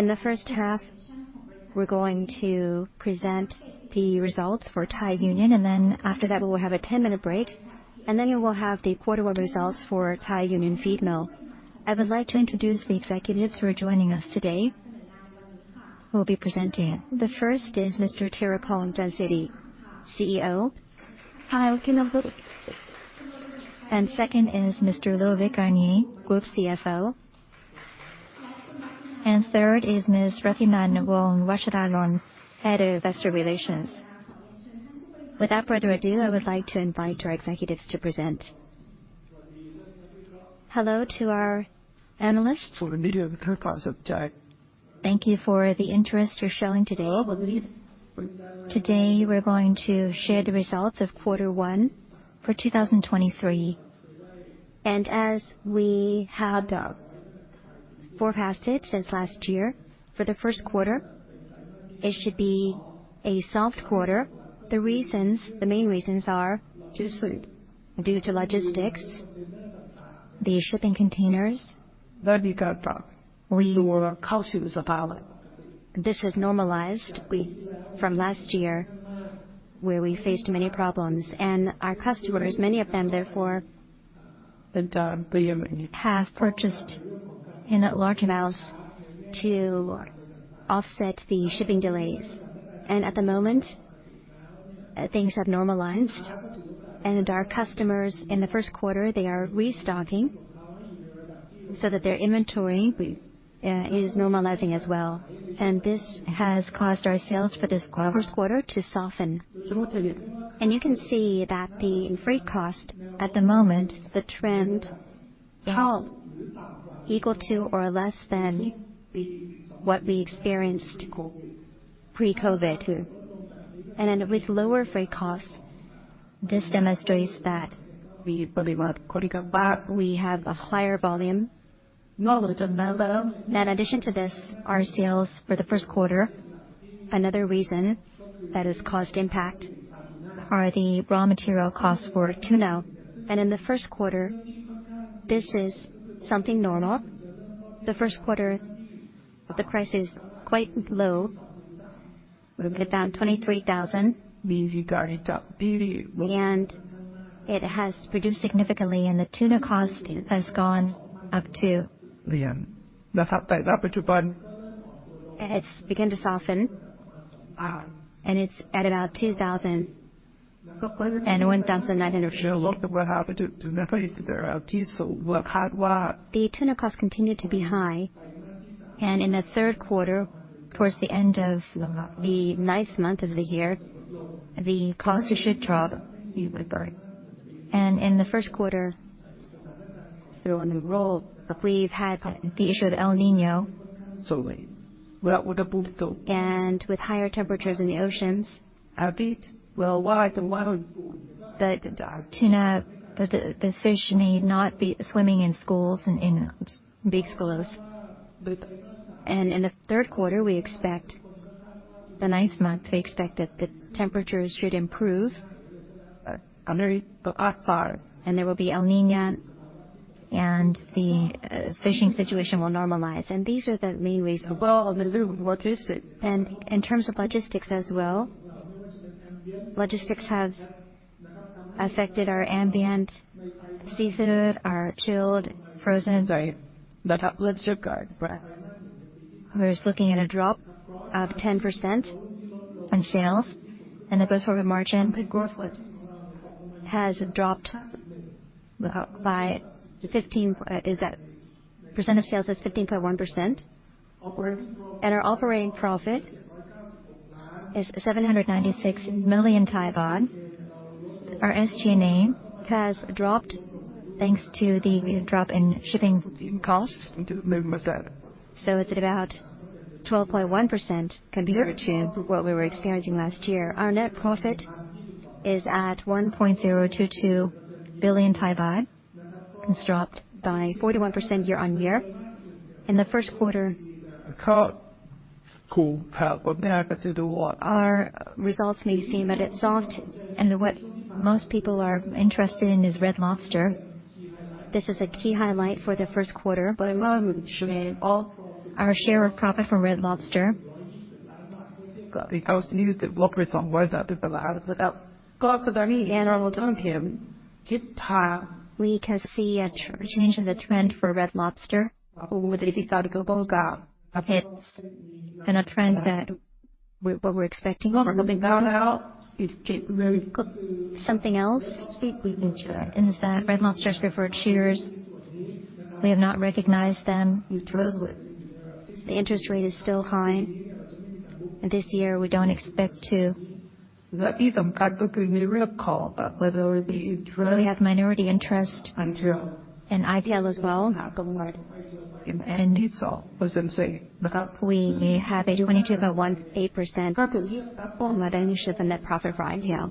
In the first half, we're going to present the results for Thai Union, and then after that, we will have a 10-minute break, and then we'll have the quarterly results for Thai Union Feedmill. I would like to introduce the executives who are joining us today, who will be presenting. The first is Mr. Thiraphong Chansiri, CEO. Second is Mr. Ludovic Garnier, Group CFO. Third is Ms. Ratinan Wongwatcharanon, Head of Investor Relations. Without further ado, I would like to invite our executives to present. Hello to our analysts. Thank you for the interest you're showing today. Today, we're going to share the results of Q1 for 2023. As we had forecasted since last year, for the first quarter, it should be a soft quarter. The main reasons are due to logistics, the shipping containers. This has normalized. From last year, where we faced many problems and our customers, many of them, therefore Have purchased in large amounts to offset the shipping delays. At the moment, things have normalized. Our customers, in the first quarter, they are restocking so that their inventory is normalizing as well. This has caused our sales for this first quarter to soften. You can see that the freight cost at the moment, the trend Equal to or less than what we experienced pre-COVID. With lower freight costs, this demonstrates that We have a higher volume. In addition to this, our sales for the first quarter, another reason that has caused impact are the raw material costs for tuna. In the first quarter, this is something normal. The first quarter, the price is quite low. About THB 23,000. It has reduced significantly. It's at about $2,000-1,900. The tuna costs continue to be high. In the third quarter, towards the end of the ninth month of the year, the costs should drop. We've had the issue of El Niño. With higher temperatures in the oceans, the fish may not be swimming in schools and in big schools. In the third quarter, we expect the ninth month, that the temperatures should improve. There will be El Niño, and the fishing situation will normalize. These are the main reasons. In terms of logistics as well, logistics has affected our Ambient Seafood, our chilled, frozen. We're looking at a drop of 10% on sales. The gross profit margin is at 15.1%. Our operating profit is 796 million. Our SG&A has dropped thanks to the drop in shipping costs. It's about 12.1% compared to what we were experiencing last year. Our net profit is at 1.022 billion baht. It's dropped by 41% year-on-year. In the first quarter, our results may seem a bit soft, and what most people are interested in is Red Lobster. This is a key highlight for the first quarter. Our share of profit from Red Lobster. We can see a change in the trend for Red Lobster. It's in a trend that what we're expecting. Something else is that Red Lobster's referred shares, we have not recognized them. The interest rate is still high. This year, we don't expect. We have minority interest in i-Tail as well. We have a 22.18% Revenue the net profit for i-Tail.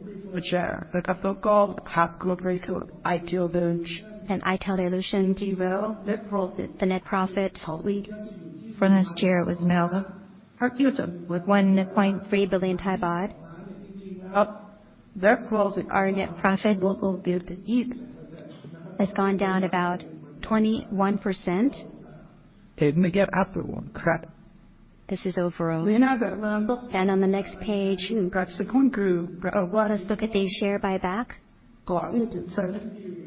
i-Tail Solution for this year was 1.3 billion. Our net profit has gone down about 21%. This is overall. On the next page. Let's look at the share buyback.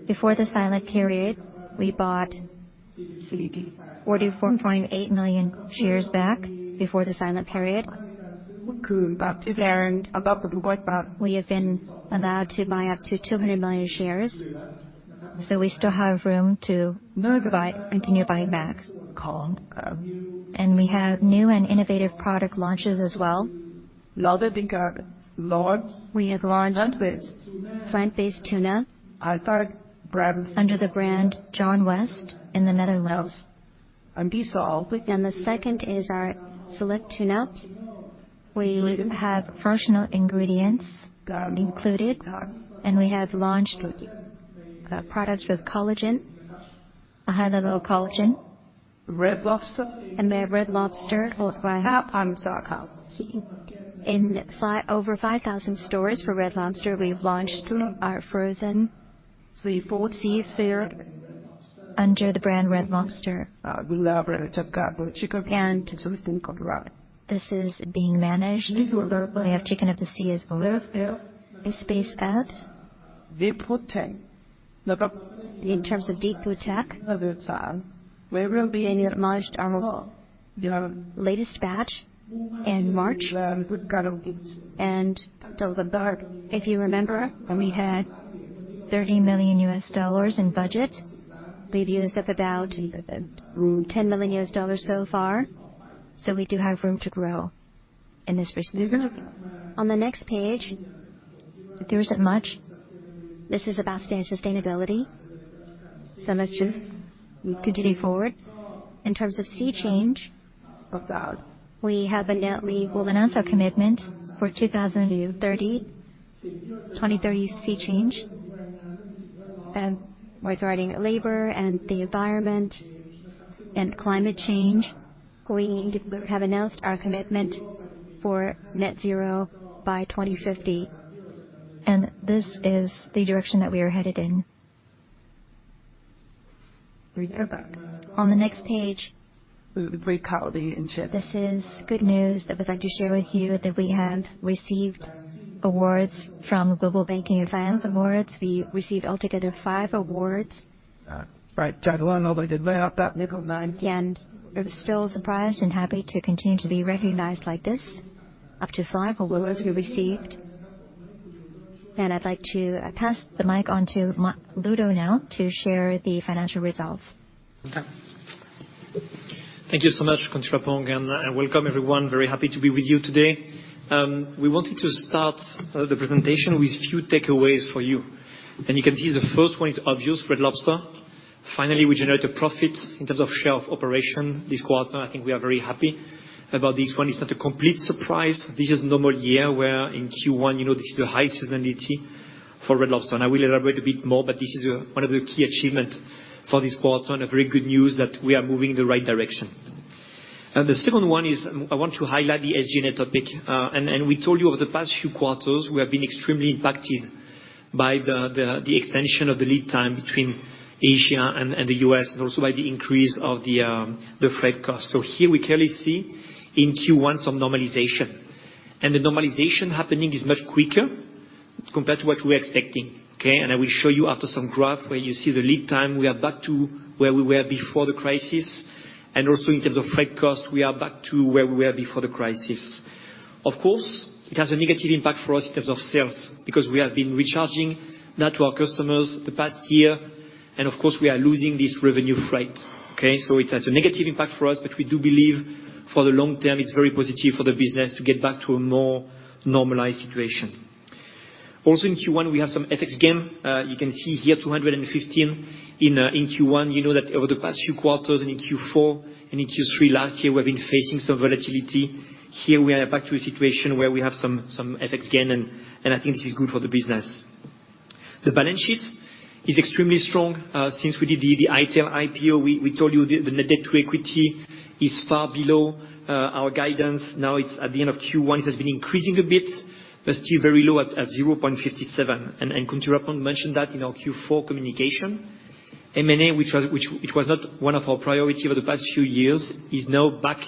Before the silent period, we bought 44.8 million shares back before the silent period. We have been allowed to buy up to 200 million shares, so we still have room to continue buying back. We have new and innovative product launches as well. We have launched plant-based tuna under the brand John West in the Netherlands. The second is our select tuna. We have functional ingredients included, and we have launched products with collagen, a high level of collagen. Red Lobster. Red Lobster was launched. In over 5,000 stores for Red Lobster, we've launched our frozen seafood under the brand Red Lobster. This is being managed. We have Chicken of the Sea as well. In terms of Deep Blue Tech. We launched our latest batch in March. If you remember, we had $30 million in budget. We've used up about $10 million so far. We do have room to grow in this space. On the next page. There isn't much. This is about sustainability. Let's just continue forward. In terms of SeaChange, we will announce our commitment for 2030 SeaChange regarding labor and the environment and climate change. We have announced our commitment for net zero by 2050, and this is the direction that we are headed in. On the next page. This is good news that we'd like to share with you that we have received awards from Global Banking & Finance Awards. We received altogether 5 awards. We're still surprised and happy to continue to be recognized like this. Up to 5 awards we received. I'd like to pass the mic on to Ludovic now to share the financial results. Thank you so much, Khun Thiraphong. Welcome, everyone. Very happy to be with you today. We wanted to start the presentation with a few takeaways for you. You can see the first one is obvious, Red Lobster. Finally, we generated profit in terms of share of operation this quarter, and I think we are very happy about this one. It's not a complete surprise. This is normal year, where in Q1, you know, this is the highest seasonality for Red Lobster. I will elaborate a bit more, but this is one of the key achievements for this quarter and a very good news that we are moving in the right direction. The second one is I want to highlight the SG&A topic. We told you over the past few quarters, we have been extremely impacted by the extension of the lead time between Asia and the US, and also by the increase of the freight cost. Here we clearly see in Q1 some normalization. The normalization happening is much quicker compared to what we're expecting, okay? I will show you after some graph where you see the lead time, we are back to where we were before the crisis. Also in terms of freight cost, we are back to where we were before the crisis. Of course, it has a negative impact for us in terms of sales because we have been recharging that to our customers the past year. Of course, we are losing this revenue freight, okay? It has a negative impact for us, but we do believe for the long term, it's very positive for the business to get back to a more normalized situation. Also in Q1, we have some FX gain. You can see here 215 in Q1. You know that over the past few quarters and in Q4 and in Q3 last year, we've been facing some volatility. Here we are back to a situation where we have some FX gain, and I think this is good for the business. The balance sheet is extremely strong. Since we did the i-Tail IPO, we told you the net debt to equity is far below our guidance. Now it's at the end of Q1. It has been increasing a bit, but still very low at 0.57. Khun Thiraphong mentioned that in our Q4 communication. M&A, it was not one of our priority over the past few years, is now back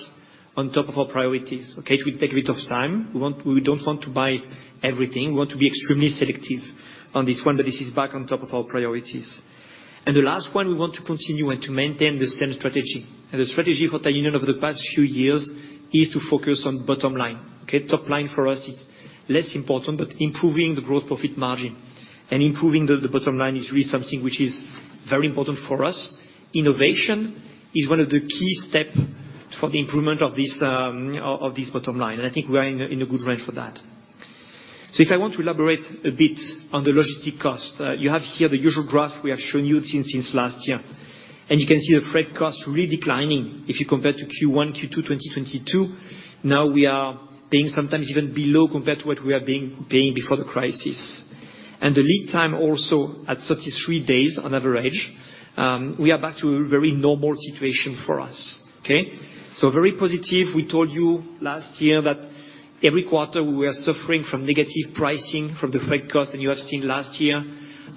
on top of our priorities, okay? It will take a bit of time. We don't want to buy everything. We want to be extremely selective on this one, but this is back on top of our priorities. The last one, we want to continue and to maintain the same strategy. The strategy for Thai Union over the past few years is to focus on bottom line, okay? Top line for us is less important, but improving the growth profit margin and improving the bottom line is really something which is very important for us. Innovation is one of the key step for the improvement of this of this bottom line. I think we are in a good range for that. If I want to elaborate a bit on the logistic cost, you have here the usual graph we have shown you since last year. You can see the freight cost really declining if you compare to Q1, Q2, 2022. Now we are paying sometimes even below compared to what we are paying before the crisis. The lead time also at 33 days on average. We are back to a very normal situation for us, okay? Very positive. We told you last year that every quarter we are suffering from negative pricing from the freight cost. You have seen last year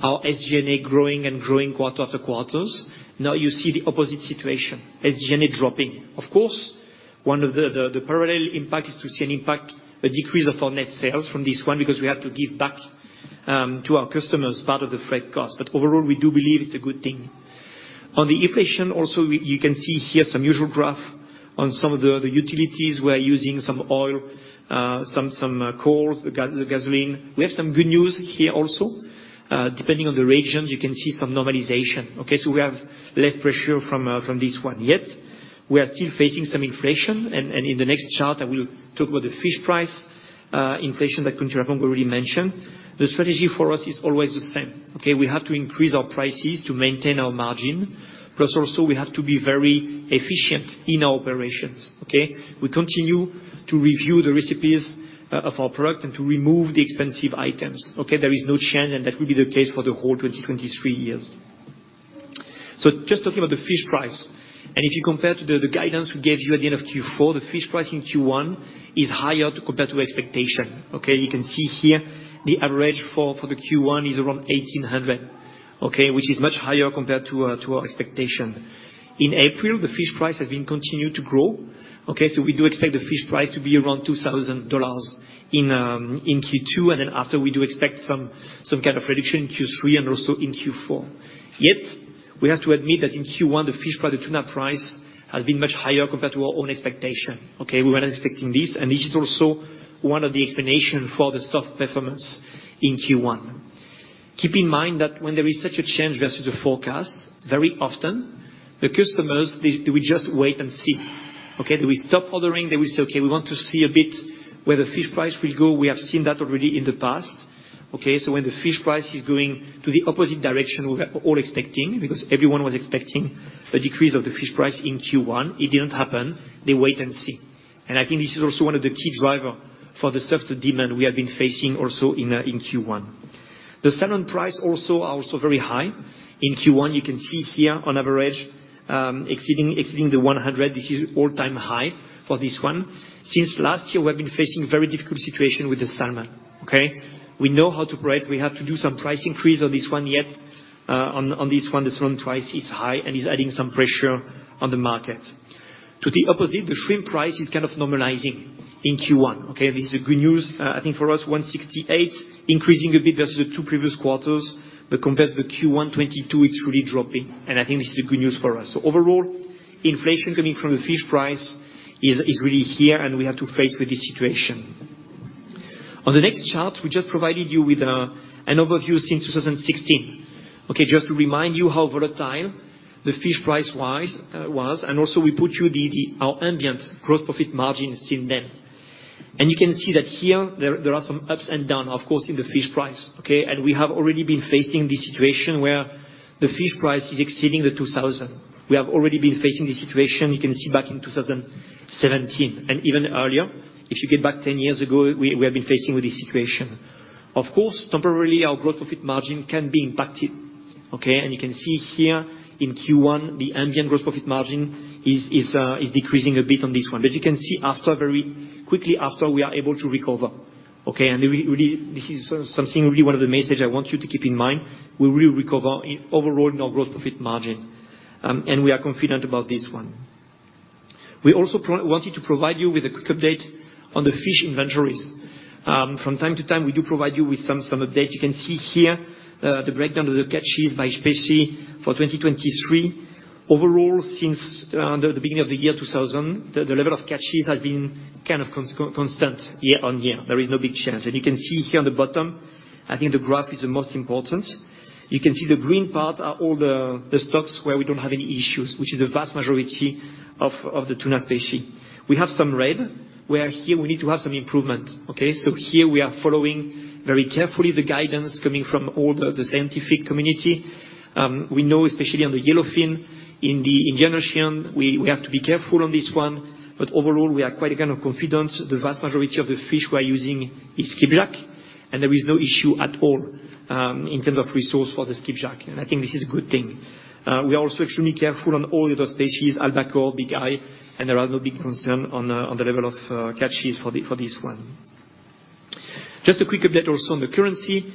our SG&A growing quarter after quarters. Now you see the opposite situation, SG&A dropping. Of course, one of the parallel impact is to see an impact, a decrease of our net sales from this one because we have to give back to our customers part of the freight cost. Overall, we do believe it's a good thing. On the inflation also, you can see here some usual graph on some of the utilities. We are using some oil, some coal, the gasoline. We have some good news here also. Depending on the region, you can see some normalization, okay? We have less pressure from this one. Yet, we are still facing some inflation. In the next chart, I will talk about the fish price inflation that Khun Thiraphong already mentioned. The strategy for us is always the same, okay? We have to increase our prices to maintain our margin. Also, we have to be very efficient in our operations, okay? We continue to review the recipes of our product and to remove the expensive items, okay? There is no change, that will be the case for the whole 2023 years. Just talking about the fish price, if you compare to the guidance we gave you at the end of Q4, the fish price in Q1 is higher compared to expectation, okay? You can see here the average for the Q1 is around $1,800, okay? Which is much higher compared to our expectation. In April, the fish price has been continued to grow, okay? We do expect the fish price to be around $2,000 in Q2, after we do expect some kind of reduction in Q3 and also in Q4. We have to admit that in Q1, the fish price, the tuna price has been much higher compared to our own expectation, okay? We were not expecting this. This is also one of the explanation for the soft performance in Q1. Keep in mind that when there is such a change versus the forecast, very often the customers, they will just wait and see, okay? They will stop ordering. They will say, "Okay, we want to see a bit where the fish price will go." We have seen that already in the past, okay? When the fish price is going to the opposite direction we were all expecting, because everyone was expecting a decrease of the fish price in Q1, it didn't happen. They wait and see. I think this is also one of the key driver for the softer demand we have been facing also in Q1. The salmon price also are also very high in Q1. You can see here on average, exceeding the 100. This is all-time high for this one. Since last year, we have been facing very difficult situation with the salmon, okay? We know how to price. We have to do some price increase on this one, yet, on this one, the salmon price is high and is adding some pressure on the market. To the opposite, the shrimp price is kind of normalizing in Q1, okay? This is good news, I think for us, 168 increasing a bit versus the two previous quarters, but compared to the Q1 2022, it's really dropping, and I think this is a good news for us. Overall, inflation coming from the fish price is really here, and we have to face with this situation. On the next chart, we just provided you with an overview since 2016, okay? Just to remind you how volatile the fish price rise was. Also we put you the Our Ambient gross profit margin since then. You can see that here there are some ups and down, of course, in the fish price, okay? We have already been facing this situation where the fish price is exceeding the 2,000. We have already been facing this situation. You can see back in 2017 and even earlier. If you get back 10 years ago, we have been facing with this situation. Of course, temporarily, our gross profit margin can be impacted, okay? You can see here in Q1, the ambient gross profit margin is decreasing a bit on this one. You can see after very quickly after we are able to recover, okay? This is something really one of the message I want you to keep in mind. We will recover overall in our gross profit margin, and we are confident about this one. We also wanted to provide you with a quick update on the fish inventories. From time to time, we do provide you with some update. You can see here the breakdown of the catches by species for 2023. Overall, since the beginning of the year 2000, the level of catches has been kind of constant year-over-year. There is no big change. You can see here on the bottom, I think the graph is the most important. You can see the green part are all the stocks where we don't have any issues, which is the vast majority of the tuna species. We have some red, where here we need to have some improvement, okay? Here we are following very carefully the guidance coming from all the scientific community. We know, especially on the yellowfin in the Indian Ocean, we have to be careful on this one. Overall, we are quite, kind of, confident the vast majority of the fish we are using is skipjack, and there is no issue at all in terms of resource for the skipjack, and I think this is a good thing. We are also extremely careful on all other species, albacore, bigeye, and there are no big concern on the level of catches for this one. Just a quick update also on the currency.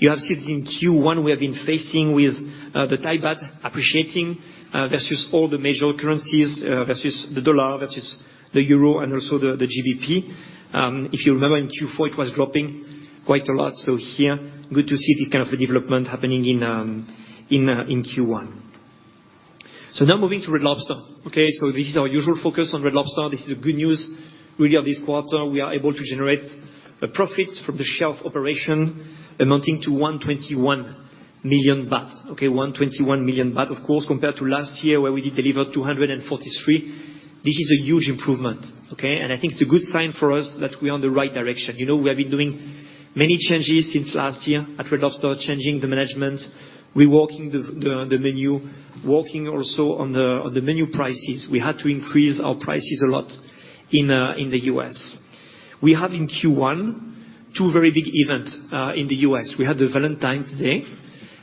You have seen since in Q1 we have been facing with the Thai baht appreciating versus all the major currencies, versus the dollar, versus the euro and also the GBP. If you remember in Q4, it was dropping quite a lot. Here, good to see this kind of a development happening in Q1. Now moving to Red Lobster. This is our usual focus on Red Lobster. This is a good news really of this quarter. We are able to generate a profit from the shelf operation amounting to 121 million baht, okay? 121 million baht, of course, compared to last year where we did deliver 243 million THB. This is a huge improvement, okay? I think it's a good sign for us that we're on the right direction. You know, we have been doing many changes since last year at Red Lobster, changing the management, reworking the menu, working also on the menu prices. We had to increase our prices a lot in the U.S. We have in Q1 2 very big event in the U.S. We have the Valentine's Day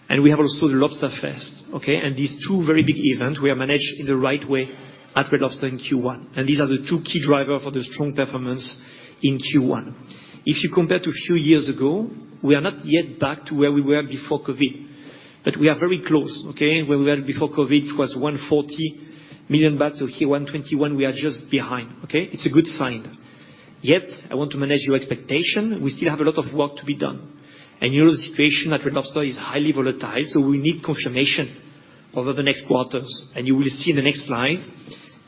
and we have also the Lobsterfest, okay? These two very big events we are managed in the right way at Red Lobster in Q1, these are the two key drivers for the strong performance in Q1. If you compare to a few years ago, we are not yet back to where we were before COVID, but we are very close, okay? Where we were before COVID was 140 million baht, so here, 121, we are just behind, okay? I want to manage your expectations. We still have a lot of work to be done. You know, the situation at Red Lobster is highly volatile, so we need confirmation over the next quarters. You will see in the next slides,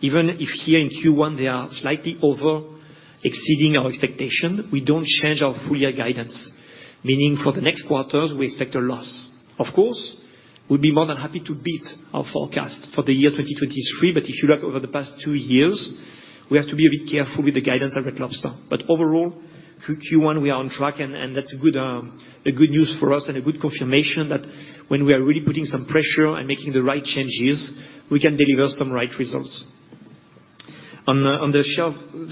even if here in Q1 they are slightly exceeding our expectations, we don't change our full year guidance. Meaning for the next quarters, we expect a loss. Of course, we'd be more than happy to beat our forecast for the year 2023. If you look over the past two years, we have to be a bit careful with the guidance at Red Lobster. Overall, Q1, we are on track and that's good news for us and a good confirmation that when we are really putting some pressure and making the right changes, we can deliver some right results. On the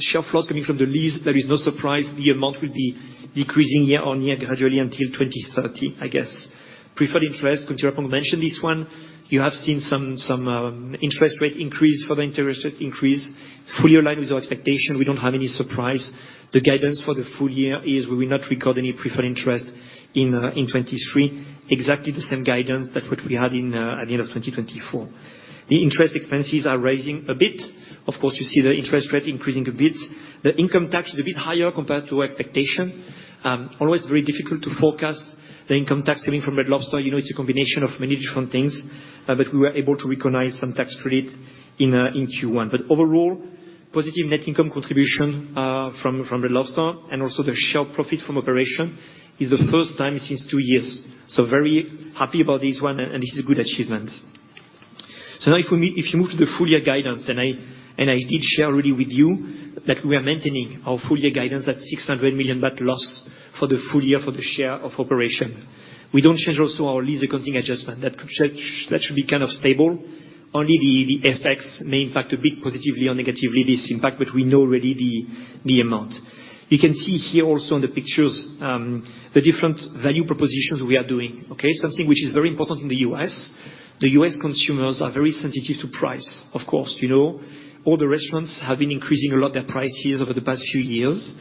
share float coming from the lease, there is no surprise the amount will be decreasing year on year gradually until 2030, I guess. Preferred interest, Thiraphongr mentioned this one. You have seen some interest rate increase. Further interest rate increase fully aligned with our expectation. We don't have any surprise. The guidance for the full year is we will not record any preferred interest in 2023. Exactly the same guidance that what we had at the end of 2024. The interest expenses are rising a bit. Of course, you see the interest rate increasing a bit. The income tax is a bit higher compared to expectation. Always very difficult to forecast the income tax coming from Red Lobster. You know it's a combination of many different things, but we were able to recognize some tax credit in Q1. Overall, positive net income contribution from Red Lobster and also the share profit from operation is the first time since two years. Very happy about this one, and this is a good achievement. Now if you move to the full year guidance, I, and I did share already with you that we are maintaining our full year guidance at 600 million baht loss for the full year for the share of operation. We don't change also our lease accounting adjustment. That should be kind of stable. Only the effects may impact a bit positively or negatively this impact, but we know already the amount. You can see here also in the pictures, the different value propositions we are doing, okay? Something which is very important in the U.S. The U.S. consumers are very sensitive to price. Of course, you know, all the restaurants have been increasing a lot their prices over the past few years,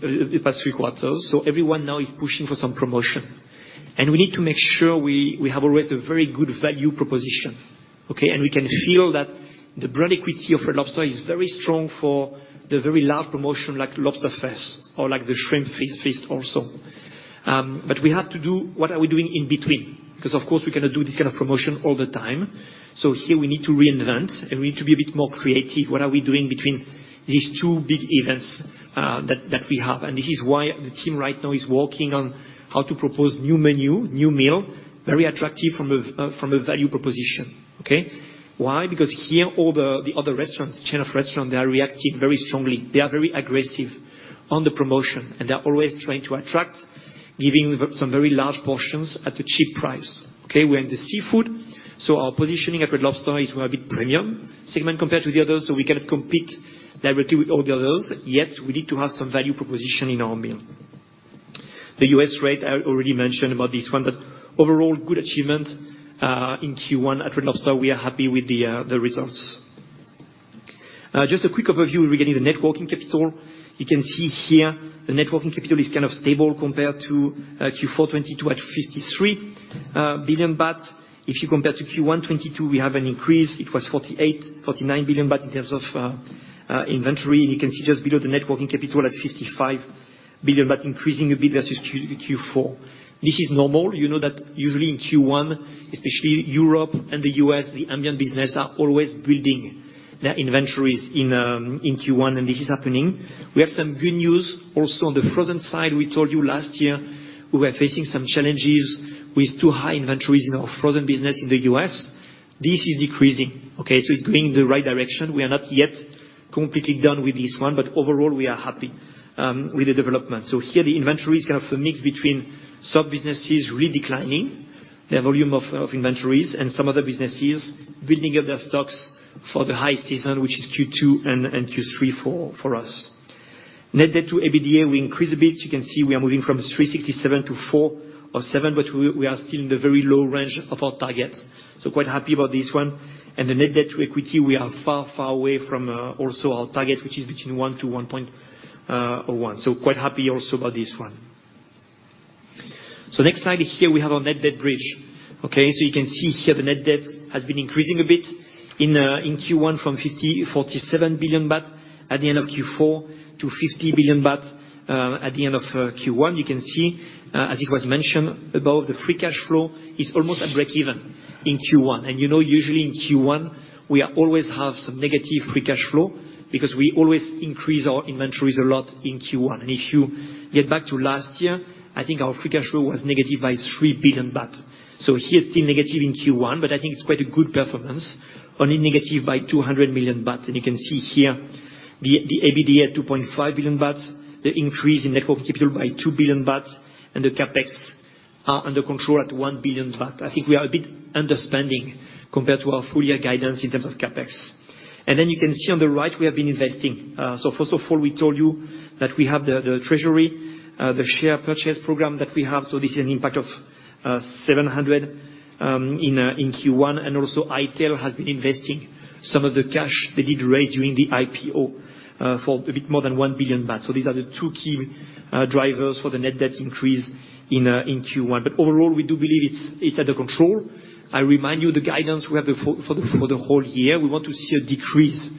the past few quarters. Everyone now is pushing for some promotion. We need to make sure we have always a very good value proposition, okay. We can feel that the brand equity of Red Lobster is very strong for the very large promotion like Lobsterfest or like the Shrimp Feast also. We have to do what are we doing in between, 'cause of course, we cannot do this kind of promotion all the time. Here we need to reinvent, and we need to be a bit more creative. What are we doing between these two big events that we have? This is why the team right now is working on how to propose new menu, new meal, very attractive from a value proposition, okay. Why? Here, all the other restaurants, chain of restaurant, they are reacting very strongly. They are very aggressive on the promotion. They are always trying to attract, giving some very large portions at a cheap price, okay. We're in the seafood. Our positioning at Red Lobster is we're a bit premium segment compared to the others. We cannot compete directly with all the others. We need to have some value proposition in our meal. The U.S. rate, I already mentioned about this one. Overall, good achievement in Q1 at Red Lobster. We are happy with the results. Just a quick overview regarding the net working capital. You can see here the net working capital is kind of stable compared to Q4 2022 at 53 billion baht. If you compare to Q1 2022, we have an increase. It was 48 billion-49 billion baht in terms of inventory. You can see just below the net working capital at 55 billion baht, increasing a bit versus Q4. This is normal. You know that usually in Q1, especially Europe and the U.S., the ambient business are always building their inventories in Q1. This is happening. We have some good news also on the frozen side. We told you last year we were facing some challenges with too high inventories in our frozen business in the U.S. This is decreasing, okay? It's going in the right direction. We are not yet completely done with this one, overall, we are happy with the development. Here, the inventory is kind of a mix between some businesses redeclining their volume of inventories and some other businesses building up their stocks for the high season, which is Q2 and Q3 for us. Net debt to EBITDA, we increase a bit. You can see we are moving from 3.67 to 4.07, we are still in the very low range of our target. Quite happy about this one. The net debt to equity, we are far away from also our target, which is between 1 to 1.01. Quite happy also about this one. Next slide here we have our net debt bridge, okay? You can see here the net debt has been increasing a bit in Q1 from 47 billion baht at the end of Q4 to 50 billion baht at the end of Q1. You can see, as it was mentioned above, the free cash flow is almost at breakeven in Q1. You know, usually in Q1, we are always have some negative free cash flow because we always increase our inventories a lot in Q1. If you get back to last year, I think our free cash flow was negative by 3 billion baht. Here, still negative in Q1, but I think it's quite a good performance, only negative by 200 million baht. You can see here the EBITDA at 2.5 billion baht, the increase in net working capital by 2 billion baht, and the CapEx are under control at 1 billion baht. I think we are a bit underspending compared to our full year guidance in terms of CapEx. Then you can see on the right we have been investing. First of all, we told you that we have the treasury, the share purchase program that we have. This is an impact of 700 in Q1, and also i-Tail has been investing some of the cash they did raise during the IPO for a bit more than 1 billion baht. These are the two key drivers for the net debt increase in Q1. Overall, we do believe it's under control. I remind you the guidance we have for the whole year. We want to see a decrease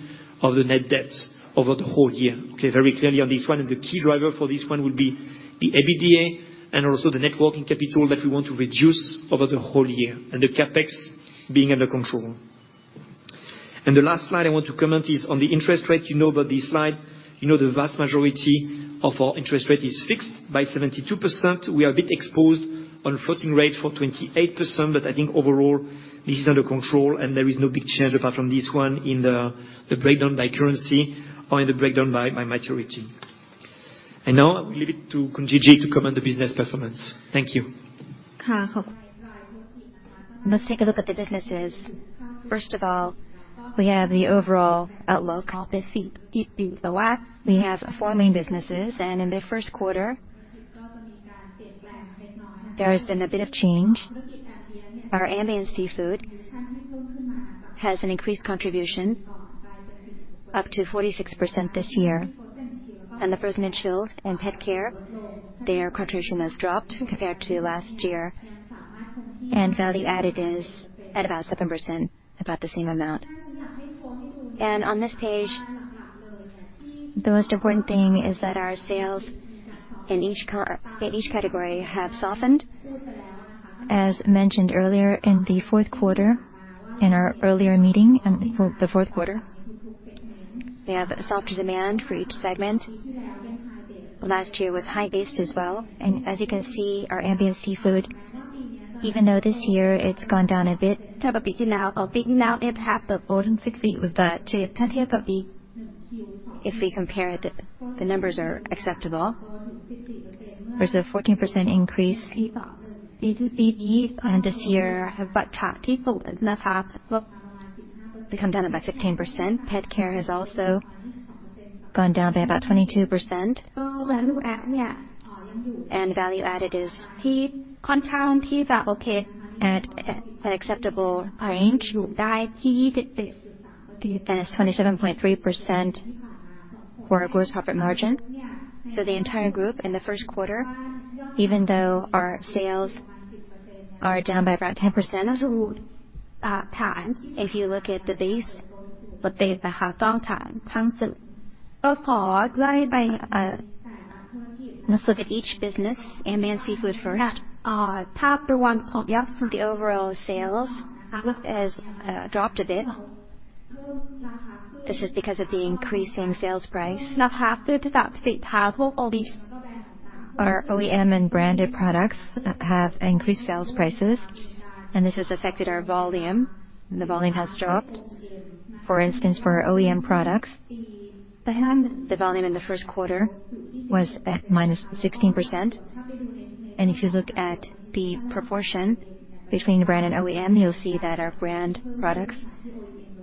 of the net debt over the whole year. Okay? Very clearly on this one. The key driver for this one will be the EBITDA and also the net working capital that we want to reduce over the whole year, and the CapEx being under control. The last slide I want to comment is on the interest rate, you know about this slide. You know the vast majority of our interest rate is fixed by 72%. We are a bit exposed on floating rate for 28%, but I think overall this is under control and there is no big change apart from this one in the breakdown by currency or in the breakdown by maturity. Now I will leave it to Khun Gigi to comment the business performance. Thank you. Let's take a look at the businesses. First of all, we have the overall outlook. We have four main businesses, and in the first quarter, there has been a bit of change. Our Ambient Seafood has an increased contribution up to 46% this year. Under Frozen and Chilled and PetCare, their contribution has dropped compared to last year. Value added is at about 7%, about the same amount. On this page, the most important thing is that our sales in each category have softened. As mentioned earlier in the fourth quarter, in our earlier meeting in the fourth quarter, we have softer demand for each segment. Last year was high-based as well. As you can see, our Ambient Seafood, even though this year it's gone down a bit. If we compare it, the numbers are acceptable. There's a 14% increase. This year they come down about 15%. PetCare has also gone down by about 22%. Value added is at an acceptable range, and it's 27.3% for our gross profit margin. The entire group in the first quarter, even though our sales are down by about 10%. If you look at the base. Let's look at each business. Ambient Seafood first. The overall sales has dropped a bit. This is because of the increasing sales price. Our OEM and branded products have increased sales prices, and this has affected our volume. The volume has dropped. For instance, for our OEM products, the volume in the first quarter was at minus 16%. If you look at the proportion between brand and OEM, you'll see that our brand products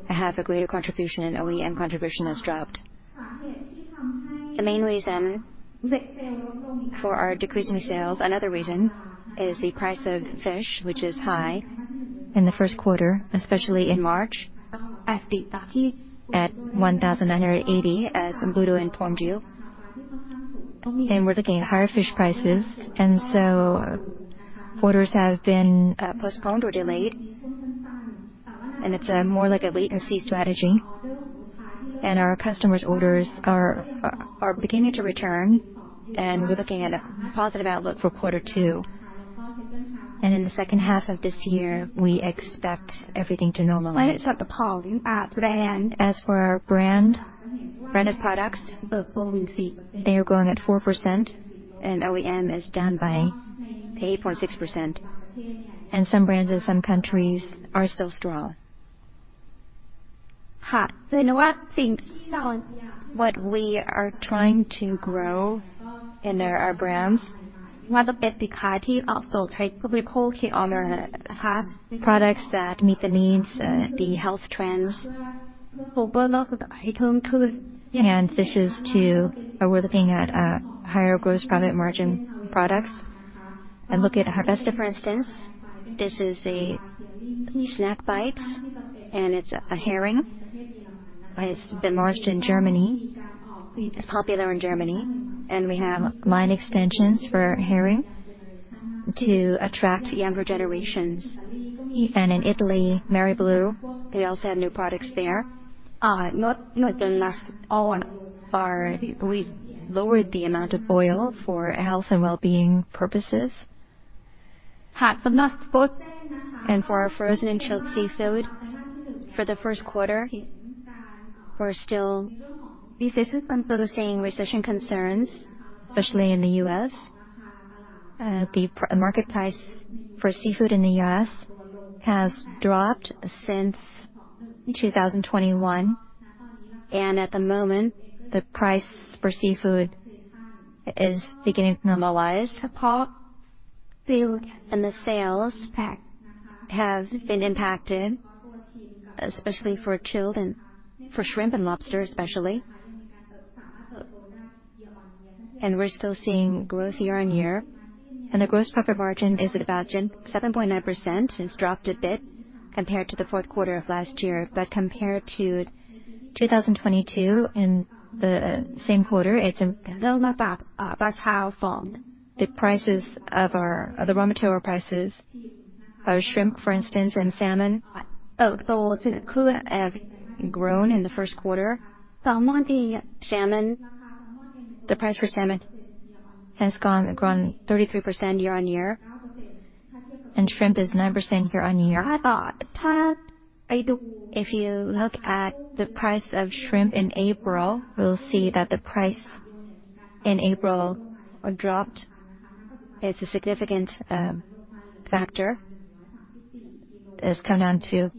have a greater contribution, and OEM contribution has dropped. The main reason for our decrease in sales, another reason, is the price of fish, which is high in the first quarter, especially in March, at $1,980, as Ludo informed you. We're looking at higher fish prices, so orders have been postponed or delayed. It's more like a wait and see strategy. Our customers' orders are beginning to return, and we're looking at a positive outlook for quarter two. In the second half of this year, we expect everything to normalize. As for our brand, branded products, they are growing at 4% and OEM is down by 8.6%. Some brands in some countries are still strong. What we are trying to grow in our brands. Products that meet the needs, the health trends. We're looking at higher gross profit margin products and look at our best, for instance, this is a snack bites, and it's a herring. It's been launched in Germany. It's popular in Germany, and we have line extensions for herring to attract younger generations. In Italy, Mareblu, they also have new products there. We've lowered the amount of oil for health and well-being purposes. For our Frozen and Chilled, for the first quarter, the business is still seeing recession concerns, especially in the U.S. The market price for seafood in the U.S. has dropped since 2021. At the moment, the price for seafood is beginning to normalize. The sales have been impacted, especially for chilled and for shrimp and lobster especially. We're still seeing growth year-on-year, and the gross profit margin is about 7.9%. It's dropped a bit compared to the fourth quarter of last year. Compared to 2022 in the same quarter, it's The raw material prices of shrimp, for instance, and salmon have grown in the first quarter. Salmon. The price for salmon has grown 33% year-on-year, and shrimp is 9% year-on-year. If you look at the price of shrimp in April, you'll see that the price in April dropped. It's a significant factor. It has come down to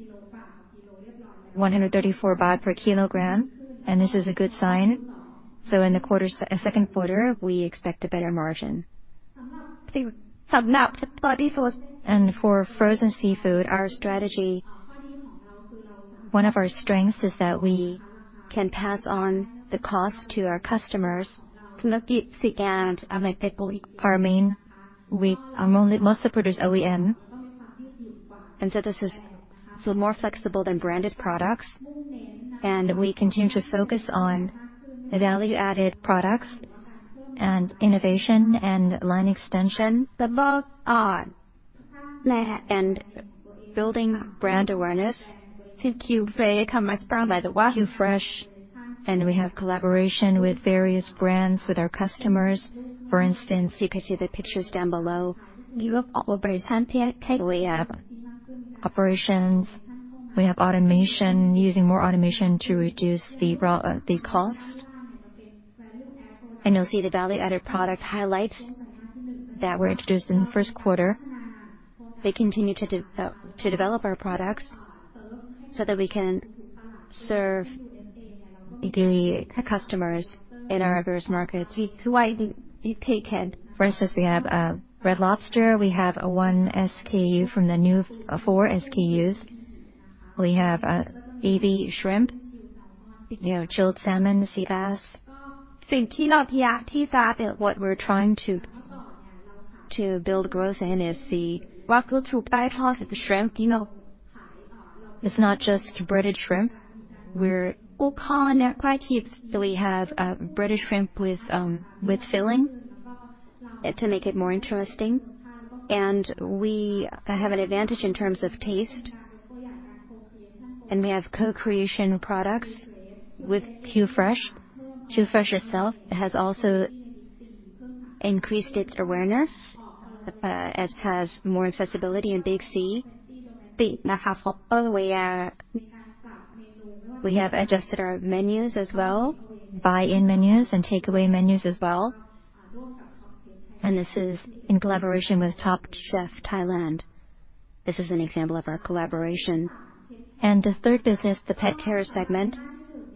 134 baht per kilogram, and this is a good sign. In the second quarter, we expect a better margin. For frozen seafood, our strategy, one of our strengths is that we can pass on the cost to our customers. Our main only most of it is OEM. This is more flexible than branded products. We continue to focus on value-added products and innovation and line extension. Building brand awareness. Qfresh. We have collaboration with various brands, with our customers. For instance, you can see the pictures down below. We have operations. We have automation, using more automation to reduce the cost. You'll see the value-added product highlights that were introduced in the first quarter. We continue to develop our products so that we can serve the customers in our various markets. For instance, we have Red Lobster. We have one SKU from the new four SKUs. We have ebi shrimp. We have chilled salmon, sea bass. What we're trying to build growth in is the shrimp. It's not just breaded shrimp. We have breaded shrimp with filling to make it more interesting. We have an advantage in terms of taste. We have co-creation products with Qfresh. Qfresh itself has also increased its awareness as it has more accessibility in Big C. We have adjusted our menus as well, buy-in menus and takeaway menus as well. This is in collaboration with Top Chef Thailand. This is an example of our collaboration. The third business, the PetCare segment.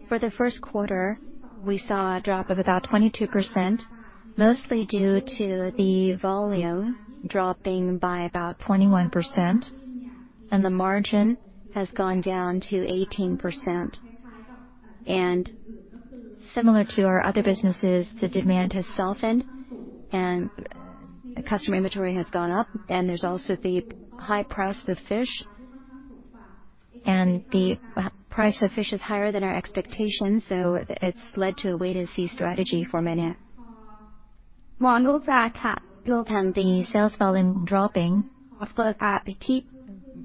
For the first quarter, we saw a drop of about 22%, mostly due to the volume dropping by about 21%. The margin has gone down to 18%. Similar to our other businesses, the demand has softened, and customer inventory has gone up. There's also the high price of fish. The price of fish is higher than our expectations, so it's led to a wait-and-see strategy for many. The sales volume dropping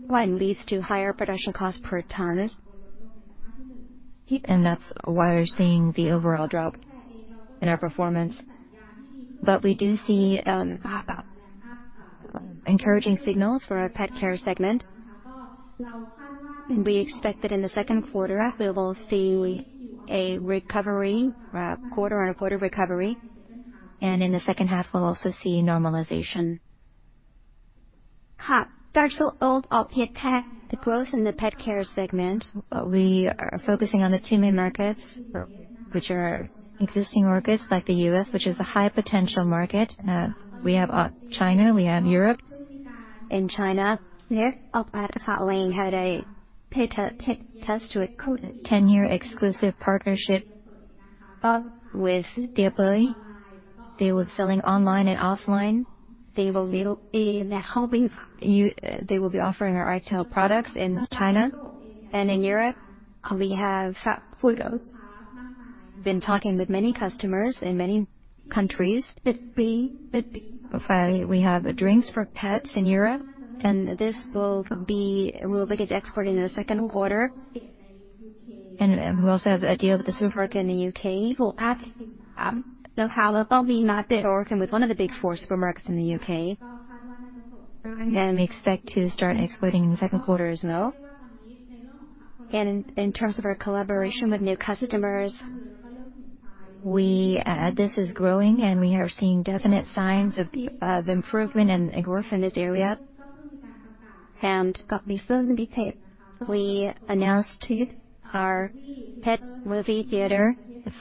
leads to higher production costs per ton. That's why we're seeing the overall drop in our performance. We do see encouraging signals for our PetCare segment. We expect that in the second quarter we will see a recovery, quarter-on-quarter recovery. In the second half, we'll also see normalization. The growth in the PetCare segment, we are focusing on the two main markets, which are existing markets like the U.S., which is a high potential market. We have China, we have Europe. In China, we had a 10-year exclusive partnership with Diapi. They were selling online and offline. They will be offering our retail products in China. In Europe, we have been talking with many customers in many countries. We have drinks for pets in Europe, and this will begin exporting in the second quarter. We also have a deal with a supermarket in the UK. We're working with one of the big four supermarkets in the UK, and we expect to start exporting in the second quarter as well. In terms of our collaboration with new customers, we, this is growing, and we are seeing definite signs of improvement and growth in this area. Got me so in detail. We announced to our pet movie theater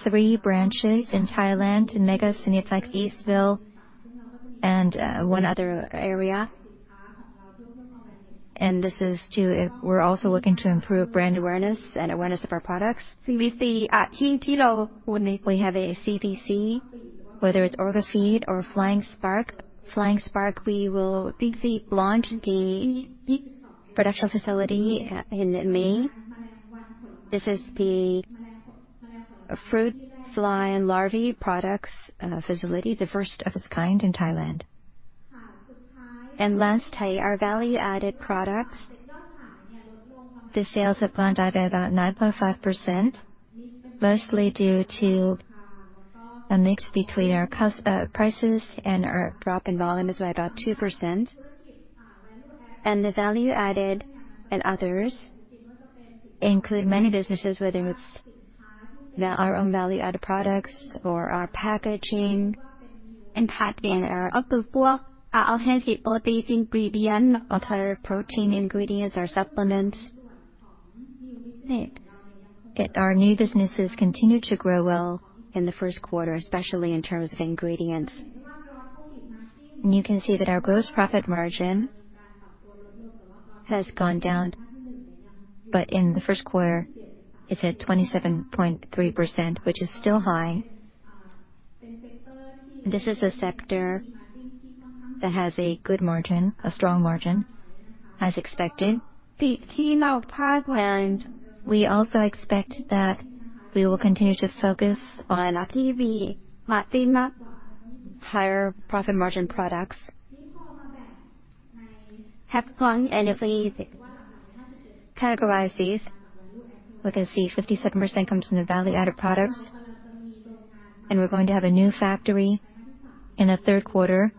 three branches in Thailand, Mega Cineplex, Eastville and one other area. This is to improve brand awareness and awareness of our products. We have a CBC, whether it's Orgafeed or Flying Spark. Flying Spark, we will launch the production facility in May. This is the fruit fly larvae products facility, the first of its kind in Thailand. Last, our value-added products. The sales have gone down by about 9.5%, mostly due to a mix between our prices and our drop in volumes by about 2%. The value-added and others include many businesses, whether it's our own value-added products or our packaging and our alternative protein ingredient, alternative protein ingredients or supplements. Our new businesses continued to grow well in the first quarter, especially in terms of ingredients. You can see that our gross profit margin has gone down, but in the 1st quarter it's at 27.3%, which is still high. This is a sector that has a good margin, a strong margin, as expected. We also expect that we will continue to focus on higher profit margin products. If we categorize these, we can see 57% comes from the value-added products. We're going to have a new factory in the 3rd quarter.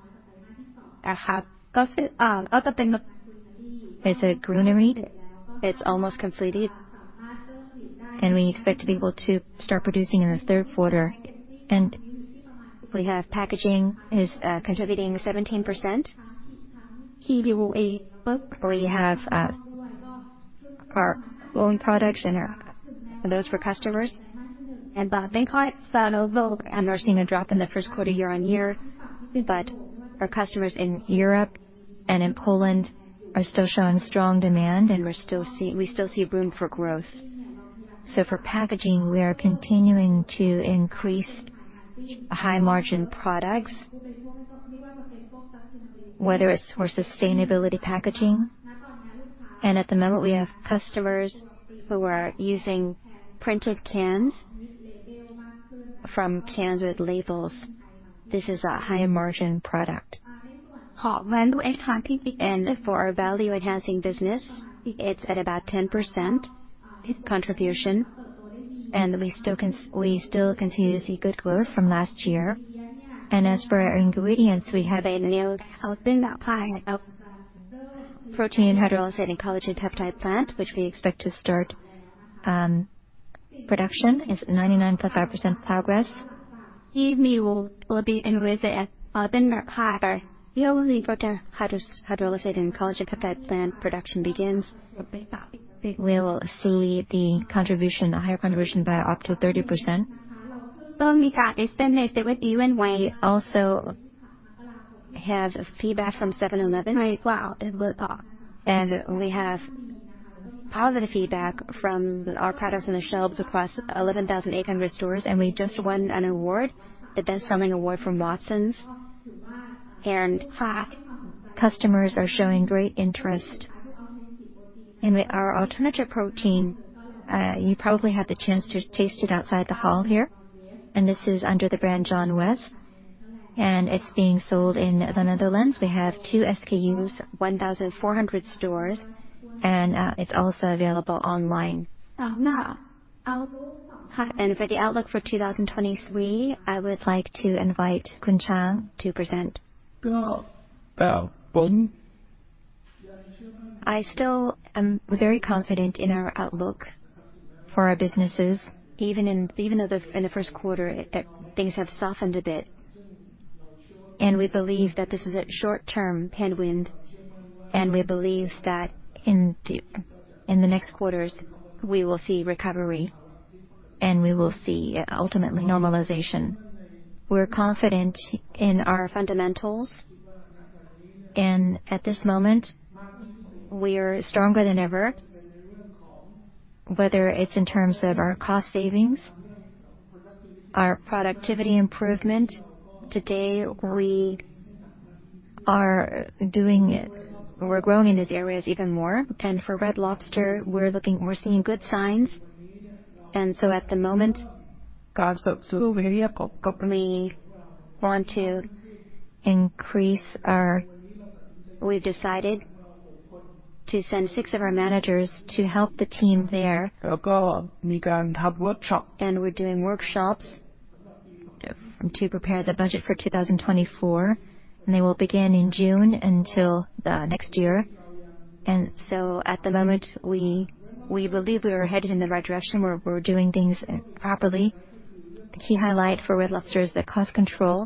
It's at Greenery. It's almost completed, and we expect to be able to start producing in the 3rd quarter. We have packaging is contributing 17%. We have our own products and those for customers. We're seeing a drop in the 1st quarter year-over-year. Our customers in Europe and in Poland are still showing strong demand, and we still see room for growth. For packaging, we are continuing to increase high margin products. Whether it's for sustainability packaging. At the moment we have customers who are using printed cans from cans with labels. This is a high margin product. For our value enhancing business, it's at about 10% contribution. We still continue to see good growth from last year. As for our ingredients, we have protein hydrolysate and collagen peptide plant, which we expect to start production. It's 99.5% progress. Hydrolyzed and collagen peptide plant production begins. We will see the contribution, a higher contribution by up to 30%. We also have feedback from 7-Eleven. We have positive feedback from our products on the shelves across 11,800 stores. We just won an award, the best selling award from Watsons. Customers are showing great interest in our alternative protein. You probably had the chance to taste it outside the hall here. This is under the brand John West. It's being sold in the Netherlands. We have 2 SKUs, 1,400 stores, and it's also available online. For the outlook for 2023, I would like to invite Khun Chang to present. Go. Oh. button. I still am very confident in our outlook for our businesses. Even though in the first quarter things have softened a bit. We believe that this is a short term headwind, and we believe that in the next quarters we will see recovery and we will see ultimately normalization. We're confident in our fundamentals, at this moment we are stronger than ever, whether it's in terms of our cost savings, our productivity improvement. Today we are doing it. We're growing in these areas even more. For Red Lobster, we're seeing good signs. At the moment we've decided to send six of our managers to help the team there. Go. We're going to have workshop. We're doing workshops to prepare the budget for 2024, and they will begin in June until the next year. At the moment we believe we are headed in the right direction. We're doing things properly. The key highlight for Red Lobster is the cost control,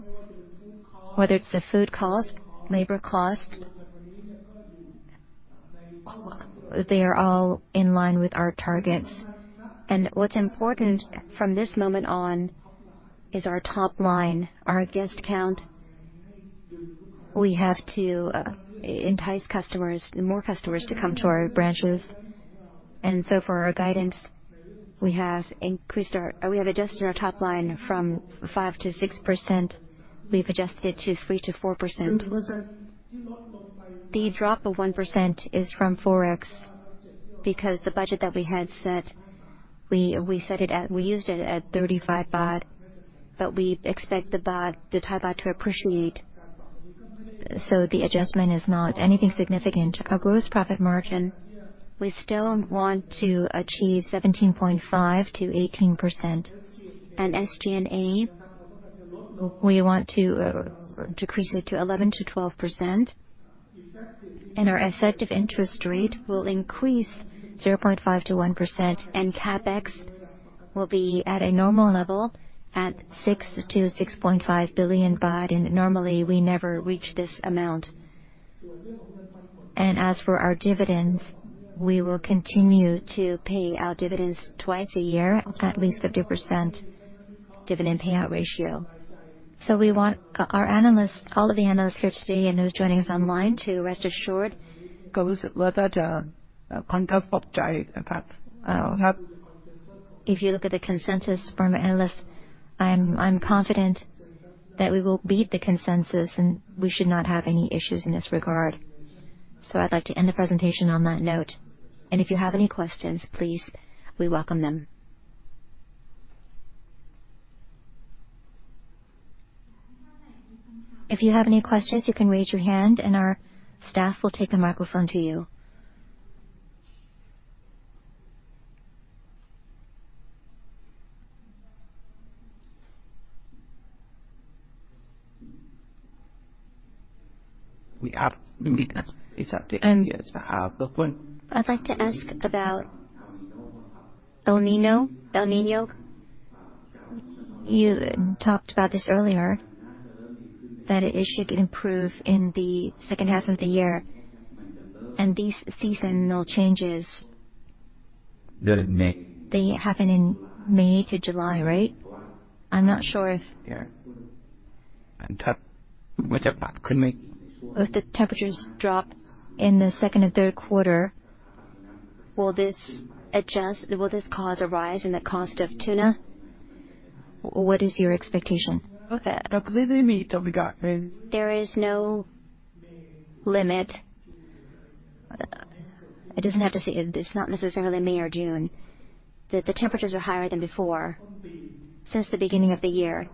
whether it's the food cost, labor cost. They are all in line with our targets. What's important from this moment on is our top line, our guest count. We have to entice more customers to come to our branches. For our guidance, we have adjusted our top line from 5-6%. We've adjusted to 3-4%. The drop of 1% is from forex because the budget that we had set, we used it at 35 baht, but we expect the Thai baht to appreciate. The adjustment is not anything significant. Our gross profit margin, we still want to achieve 17.5-18%. SG&A, we want to decrease it to 11-12%. Our effective interest rate will increase 0.5-1%, and CapEx will be at a normal level at 6 billion-6.5 billion baht. Normally, we never reach this amount. As for our dividends, we will continue to pay our dividends twice a year at least 50% dividend payout ratio. We want our analysts, all of the analysts here today and who's joining us online to rest assured. If you look at the consensus from our analysts, I'm confident that we will beat the consensus, and we should not have any issues in this regard. I'd like to end the presentation on that note. If you have any questions, please, we welcome them. If you have any questions, you can raise your hand, and our staff will take the microphone to you. We have I'd like to ask about El Niño. You talked about this earlier, that it should improve in the second half of the year. They'll make- They happen in May to July, right? I'm not sure. Yeah. With the temperatures drop in the second and third quarter, will this cause a rise in the cost of tuna? What is your expectation? There is no limit. It's not necessarily May or June. The temperatures are higher than before, since the beginning of the year,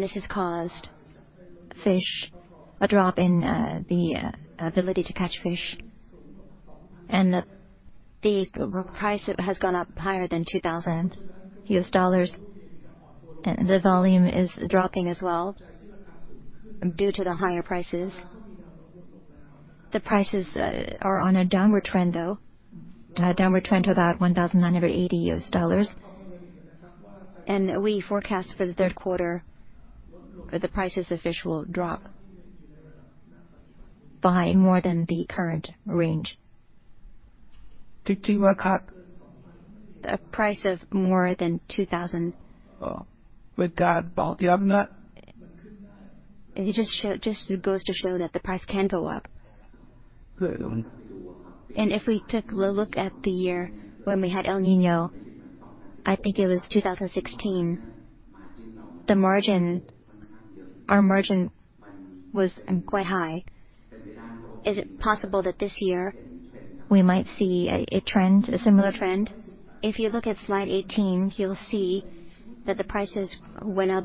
this has caused fish a drop in the ability to catch fish. The price has gone up higher than $2,000, and the volume is dropping as well due to the higher prices. The prices are on a downward trend, though. A downward trend to about $1,980. We forecast for the third quarter that the prices of fish will drop by more than the current range. A price of more than $2,000. It just goes to show that the price can go up. If we took a look at the year when we had El Niño, I think it was 2016, our margin was quite high. Is it possible that this year we might see a trend, a similar trend? If you look at slide 18, you'll see that the prices went up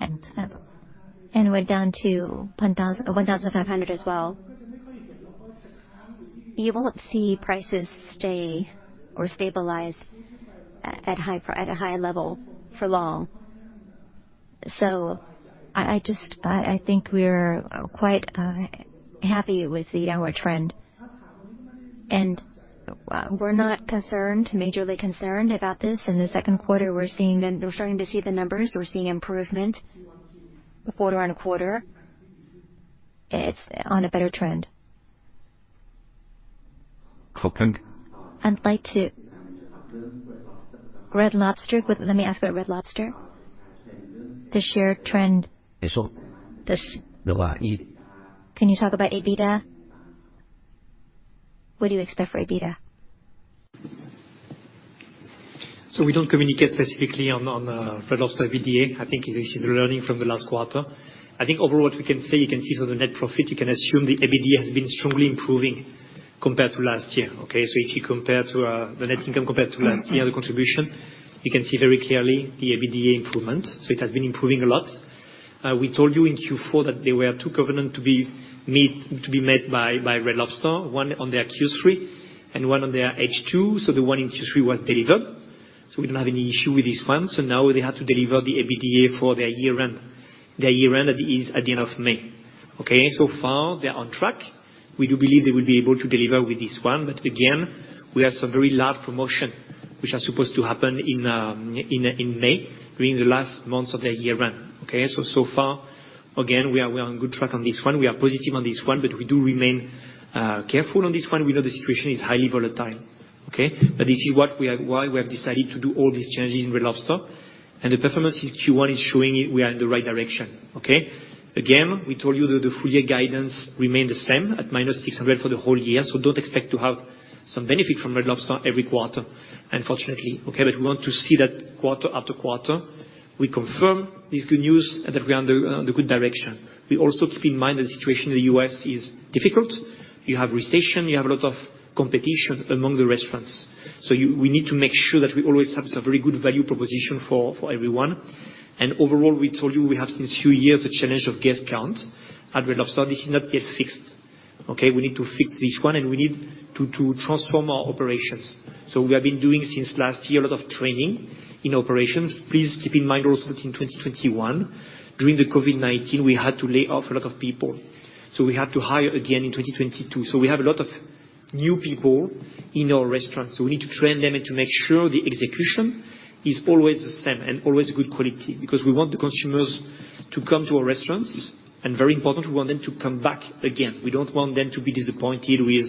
and went down to 1,000, 1,500 as well. You won't see prices stay or stabilize at a high level for long. I think we're quite happy with the downward trend. We're not majorly concerned about this. In the second quarter, we're starting to see the numbers. We're seeing improvement quarter-on-quarter. It's on a better trend. Red Lobster. Let me ask about Red Lobster. The share trend. Can you talk about EBITDA? What do you expect for EBITDA? We don't communicate specifically on Red Lobster EBITDA. I think this is the learning from the last quarter. I think overall what we can say, you can see from the net profit, you can assume the EBITDA has been strongly improving compared to last year, okay? If you compare to the net income compared to last year, the contribution, you can see very clearly the EBITDA improvement. It has been improving a lot. We told you in Q4 that there were two covenant to be met by Red Lobster, one on their Q3 and one on their H2. The one in Q3 was delivered, so we don't have any issue with this one. Now they have to deliver the EBITDA for their year-end. The year-end is at the end of May, okay? So far, they're on track. We do believe they will be able to deliver with this one. Again, we have some very large promotion which are supposed to happen in May, during the last months of their year run, okay? So far, again, we are on good track on this one. We are positive on this one, we do remain careful on this one. We know the situation is highly volatile, okay? This is why we have decided to do all these changes in Red Lobster. The performance since Q1 is showing it, we are in the right direction, okay? Again, we told you that the full year guidance remained the same at -600 for the whole year, don't expect to have some benefit from Red Lobster every quarter, unfortunately, okay? We want to see that quarter after quarter. We confirm this good news and that we are on the good direction. We also keep in mind that the situation in the U.S. is difficult. You have recession, you have a lot of competition among the restaurants. We need to make sure that we always have some very good value proposition for everyone. Overall, we told you we have since few years a challenge of guest count at Red Lobster. This is not yet fixed, okay? We need to fix this one, and we need to transform our operations. We have been doing since last year a lot of training in operations. Please keep in mind also that in 2021, during the COVID-19, we had to lay off a lot of people, so we had to hire again in 2022. We have a lot of new people in our restaurants, so we need to train them and to make sure the execution is always the same and always good quality. We want the consumers to come to our restaurants, and very important, we want them to come back again. We don't want them to be disappointed with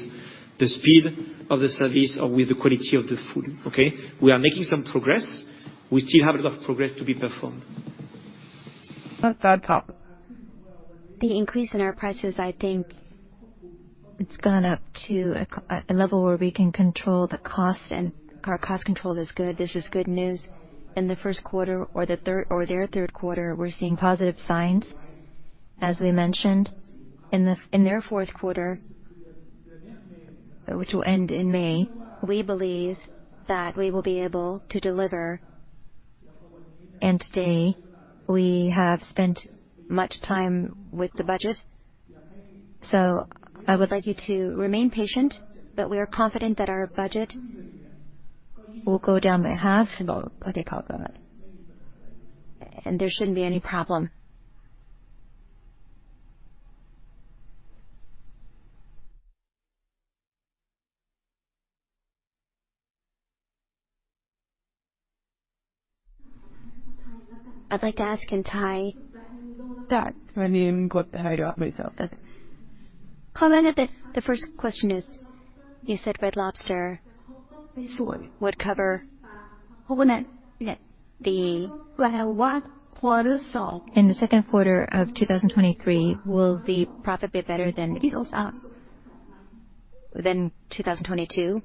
the speed of the service or with the quality of the food, okay? We are making some progress. We still have a lot of progress to be performed. The increase in our prices, I think, it's gone up to a level where we can control the cost, and our cost control is good. This is good news. In the first quarter or their third quarter, we're seeing positive signs, as we mentioned. In their fourth quarter, which will end in May, we believe that we will be able to deliver. Today, we have spent much time with the budget. I would like you to remain patient, but we are confident that our budget will go down by half. There shouldn't be any problem. I'd like to ask in Thai. The first question is, you said Red Lobster would cover. In the second quarter of 2023, will the profit be better than 2022?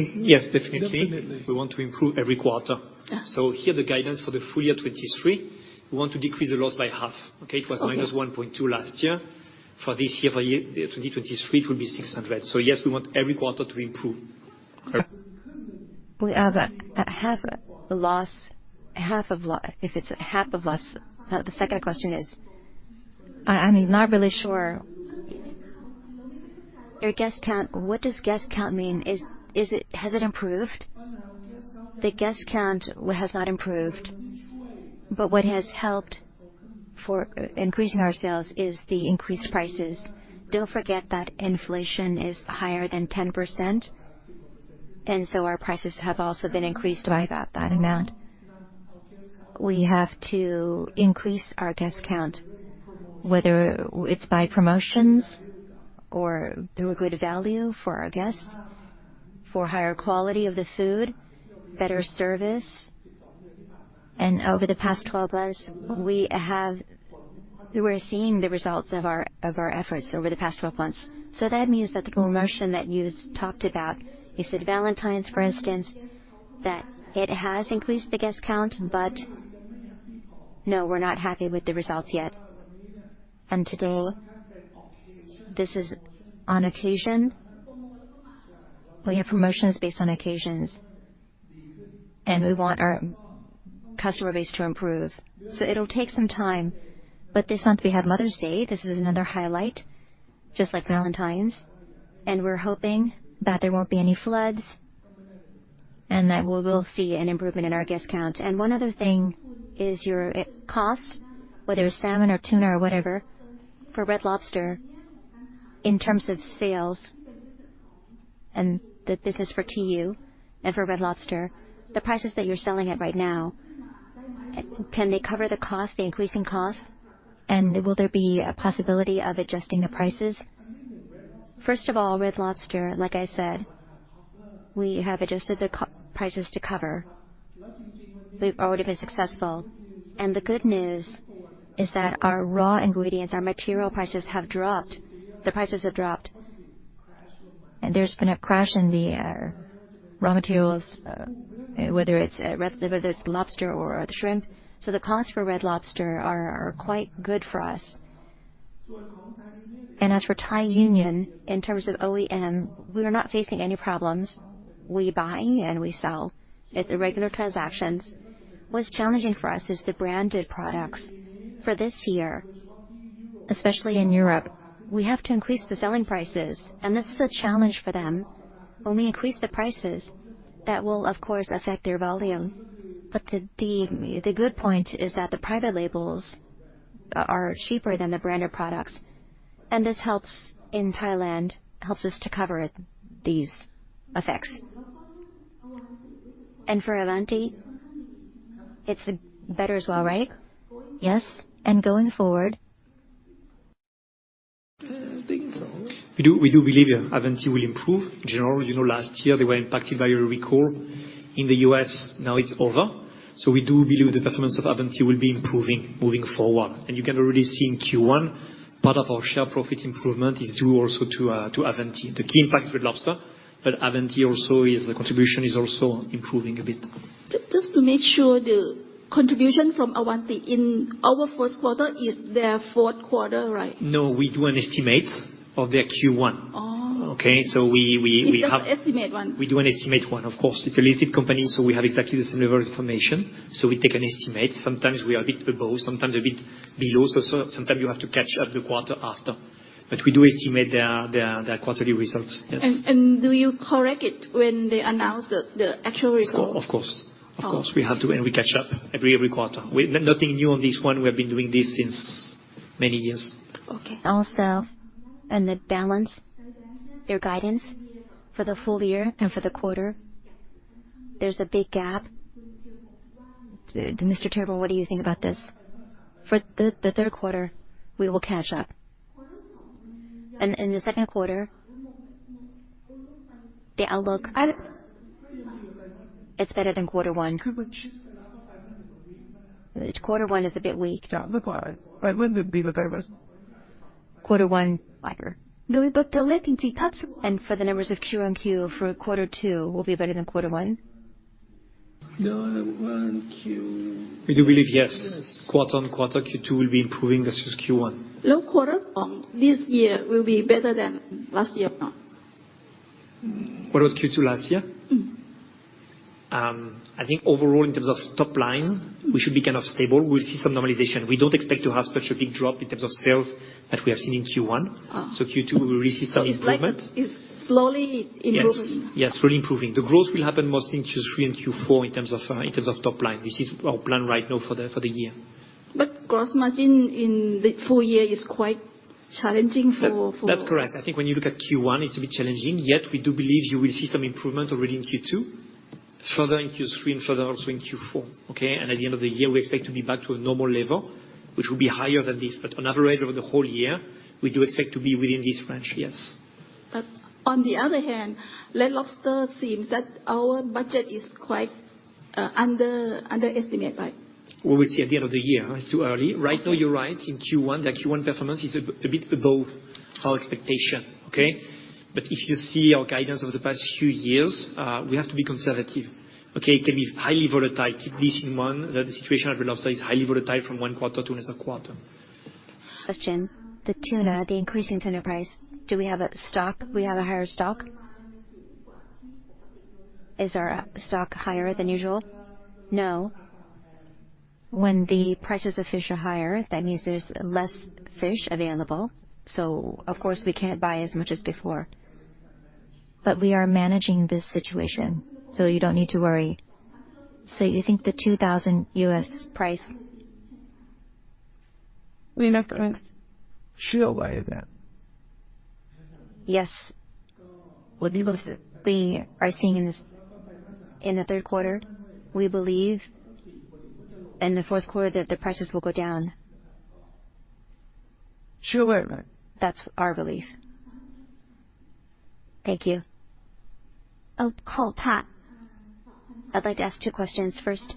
Yes, definitely. Definitely. We want to improve every quarter. Yeah. Here, the guidance for the full year 2023, we want to decrease the loss by half. Okay? Okay. It was -1.2 last year. For this year, for 2023, it will be 600. Yes, we want every quarter to improve. We have half the loss. If it's half of loss. The second question is, I'm not really sure. Your guest count, what does guest count mean? Has it improved? The guest count has not improved, what has helped for increasing our sales is the increased prices. Don't forget that inflation is higher than 10%, our prices have also been increased by about that amount. We have to increase our guest count, whether it's by promotions or through a good value for our guests, for higher quality of the food, better service. Over the past 12 months, we're seeing the results of our efforts over the past 12 months. That means that the promotion that you talked about, you said Valentine's, for instance, that it has increased the guest count. No, we're not happy with the results yet. Today, this is on occasion. We have promotions based on occasions, and we want our customer base to improve. It'll take some time. This month, we have Mother's Day. This is another highlight, just like Valentine's. We're hoping that there won't be any floods and that we will see an improvement in our guest count. One other thing is your cost, whether it's salmon or tuna or whatever, for Red Lobster in terms of sales, and this is for TU and for Red Lobster, the prices that you're selling at right now, can they cover the cost, the increasing costs? Will there be a possibility of adjusting the prices? First of all, Red Lobster, like I said, we have adjusted the prices to cover. We've already been successful. The good news is that our raw ingredients, our material prices have dropped. The prices have dropped. There's been a crash in the raw materials, whether it's lobster or the shrimp. The costs for Red Lobster are quite good for us. As for Thai Union, in terms of OEM, we are not facing any problems. We buy and we sell at the regular transactions. What's challenging for us is the branded products. For this year- Especially in Europe, we have to increase the selling prices, and this is a challenge for them. When we increase the prices, that will, of course, affect their volume. The good point is that the private labels are cheaper than the branded products. This helps in Thailand, helps us to cover these effects. For Avanti, it's better as well, right? Yes. going forward. We do believe Avanti will improve. In general, you know, last year they were impacted by a recall in the U.S., now it's over. We do believe the performance of Avanti will be improving moving forward. You can already see in Q1, part of our share profit improvement is due also to Avanti. The key impact with Lobster, but Avanti also is the contribution is also improving a bit. Just to make sure, the contribution from Avanti in our first quarter is their fourth quarter, right? No, we do an estimate of their Q1. Oh. Okay. We have. It's just estimate one. We do an estimate one, of course. It's a listed company, so we have exactly the same level of information, so we take an estimate. Sometimes we are a bit above, sometimes a bit below. Sometimes you have to catch up the quarter after. We do estimate their quarterly results. Yes. Do you correct it when they announce the actual result? Of course. Of course. Oh. We have to and we catch up every quarter. Nothing new on this one, we have been doing this since many years. Okay. The balance, your guidance for the full year and for the quarter, there's a big gap. Mr. Terburg, what do you think about this? For the third quarter, we will catch up. In the second quarter, the outlook, It's better than quarter one. Quarter one is a bit weak. For the numbers of Q on Q for quarter two will be better than quarter one? We do believe, yes. Quarter-on-quarter, Q2 will be improving versus Q1. Low quarters of this year will be better than last year. What about Q2 last year? Mm-hmm. I think overall in terms of top line, we should be kind of stable. We'll see some normalization. We don't expect to have such a big drop in terms of sales that we have seen in Q1. Oh. Q2, we will see some improvement. It's like it's slowly improving. Yes. Yes, slowly improving. The growth will happen mostly in Q3 and Q4 in terms of top line. This is our plan right now for the year. gross margin in the full year is quite challenging. That's correct. I think when you look at Q1, it's a bit challenging. We do believe you will see some improvement already in Q2, further in Q3, and further also in Q4. At the end of the year, we expect to be back to a normal level, which will be higher than this. On average over the whole year, we do expect to be within this range. Yes. On the other hand, Red Lobster seems that our budget is quite underestimate, right? We will see at the end of the year. It's too early. Okay. Right now, you're right. In Q1, the Q1 performance is a bit above our expectation. Okay. If you see our guidance over the past few years, we have to be conservative. Okay. It can be highly volatile. Keep this in mind that the situation of Red Lobster is highly volatile from one quarter to another quarter. Question. The tuna, the increasing tuna price, do we have a stock? We have a higher stock? Is our stock higher than usual? No. When the prices of fish are higher, that means there's less fish available. Of course, we can't buy as much as before. We are managing this situation, so you don't need to worry. You think the $2,000 U.S. price? Yes. We are seeing this in the third quarter. We believe in the fourth quarter that the prices will go down. That's our belief. Thank you. I'll call Pat. I'd like to ask two questions. First...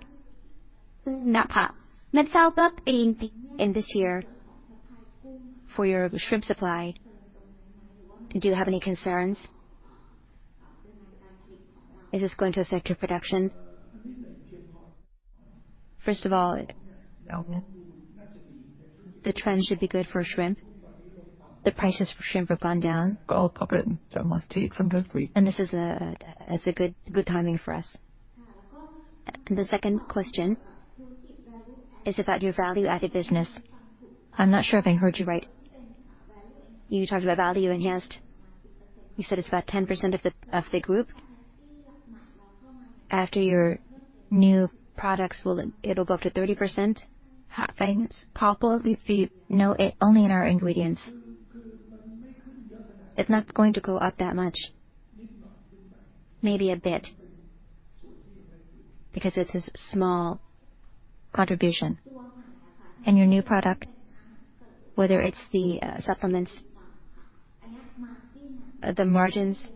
Not Pat. In this year, for your shrimp supply, do you have any concerns? Is this going to affect your production? First of all, the trend should be good for shrimp. The prices for shrimp have gone down. This is a good timing for us. The second question is about your value-added business. I'm not sure if I heard you right. You talked about value-enhanced. You said it's about 10% of the group. After your new products, It'll go up to 30%? No, only in our ingredients. It's not going to go up that much. Maybe a bit because it's a small contribution. Your new product, whether it's the supplements, the margins,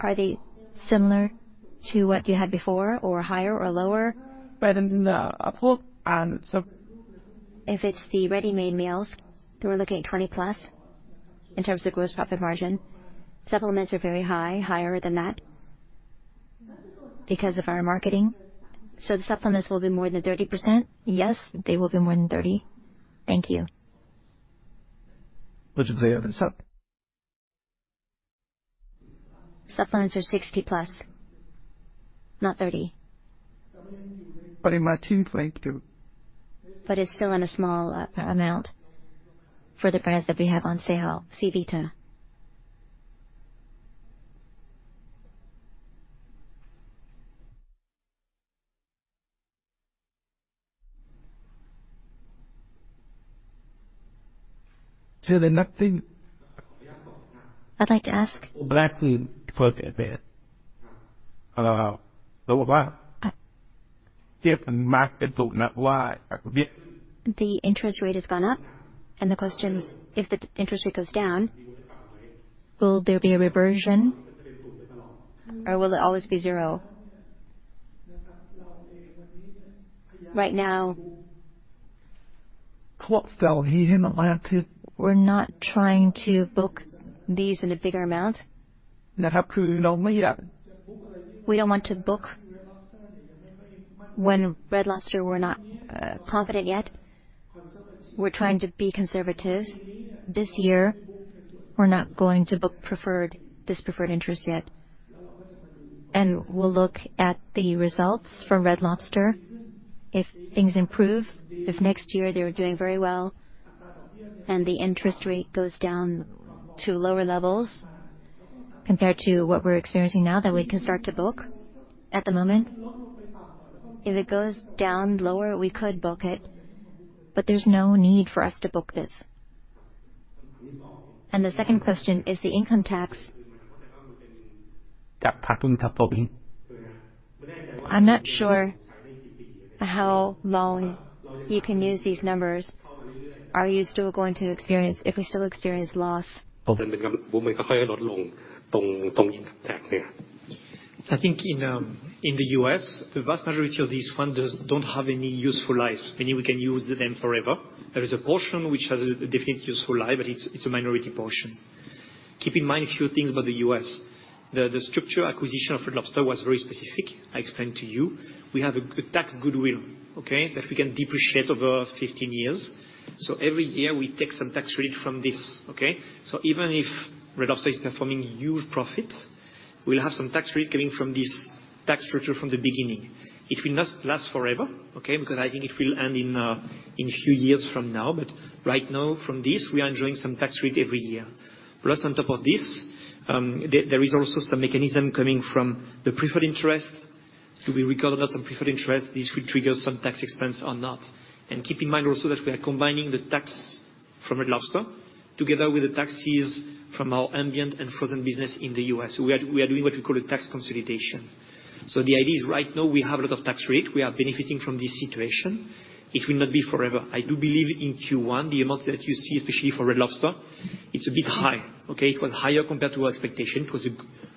are they similar to what you had before or higher or lower? If it's the ready-made meals, then we're looking at 20+% in terms of gross profit margin. Supplements are very high, higher than that because of our marketing. The supplements will be more than 30%? Yes, they will be more than 30. Thank you. Which is the other? Supplements are 60 plus, not 30. In my team's point of view. It's still in a small amount for the brands that we have on sale, ZEAVITA. The next thing- The interest rate has gone up. The question is, if the interest rate goes down, will there be a reversion or will it always be zero? Right now. What they'll hear about too. We're not trying to book these in a bigger amount. We don't want to book when Red Lobster we're not confident yet. We're trying to be conservative. This year we're not going to book preferred interest yet. We'll look at the results from Red Lobster. If things improve, if next year they're doing very well and the interest rate goes down to lower levels compared to what we're experiencing now, then we can start to book. At the moment, if it goes down lower, we could book it, but there's no need for us to book this. The second question is the income tax. I'm not sure how long you can use these numbers. Are you still going to experience loss? I think in the U.S., the vast majority of these funders don't have any useful lives, meaning we can use them forever. There is a portion which has a definite useful life, it's a minority portion. Keep in mind a few things about the U.S. The structure acquisition of Red Lobster was very specific. I explained to you. We have a tax goodwill, okay? That we can depreciate over 15 years. Every year we take some tax rate from this, okay? Even if Red Lobster is performing huge profits, we'll have some tax rate coming from this tax structure from the beginning. It will not last forever, okay? I think it will end in a few years from now. Right now from this, we are enjoying some tax rate every year. On top of this, there is also some mechanism coming from the preferred interest. Do we recover that some preferred interest? This will trigger some tax expense or not. Keep in mind also that we are combining the tax from Red Lobster together with the taxes from our ambient and frozen business in the U.S. We are doing what we call a tax consolidation. The idea is right now we have a lot of tax rate. We are benefiting from this situation. It will not be forever. I do believe in Q1, the amount that you see especially for Red Lobster, it's a bit high. It was higher compared to our expectation. It was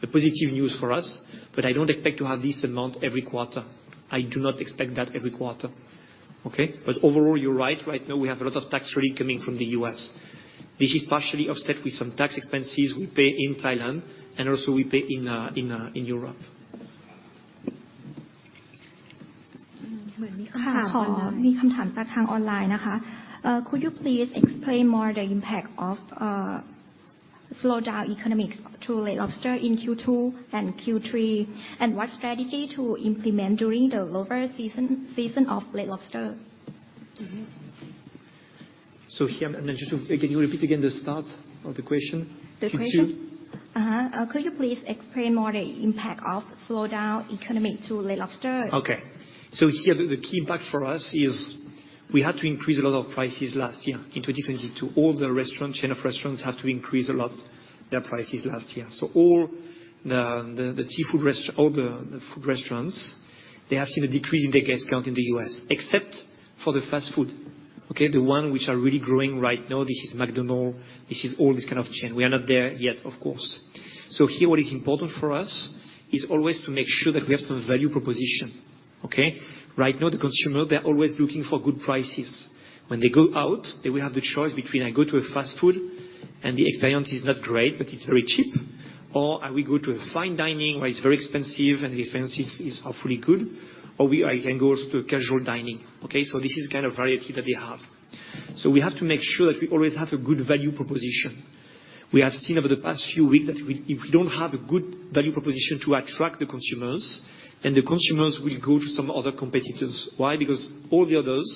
a positive news for us. I don't expect to have this amount every quarter. I do not expect that every quarter. Overall, you're right. Right now we have a lot of tax rate coming from the U.S. This is partially offset with some tax expenses we pay in Thailand and also we pay in Europe. Could you please explain more the impact of slowdown economics to Red Lobster in Q2 and Q3, and what strategy to implement during the lower season of Red Lobster? Here, I'm not sure. Can you repeat again the start of the question? Q2. The question? Could you please explain more the impact of slowdown economic to Red Lobster? Okay. Here the key impact for us is we had to increase a lot of prices last year into differently to all the restaurant chain of restaurants have to increase a lot their prices last year. All the food restaurants, they have seen a decrease in their guest count in the US except for the fast food. The one which are really growing right now. This is McDonald's. This is all this kind of chain. We are not there yet, of course. Here what is important for us is always to make sure that we have some value proposition. Right now, the consumer, they're always looking for good prices. When they go out, they will have the choice between I go to a fast food and the experience is not great, but it's very cheap. I will go to a fine dining where it's very expensive and the experience is hopefully good. I can go to a casual dining, okay? This is kind of variety that they have. We have to make sure that we always have a good value proposition. We have seen over the past few weeks that if we don't have a good value proposition to attract the consumers, the consumers will go to some other competitors. Why? Because all the others,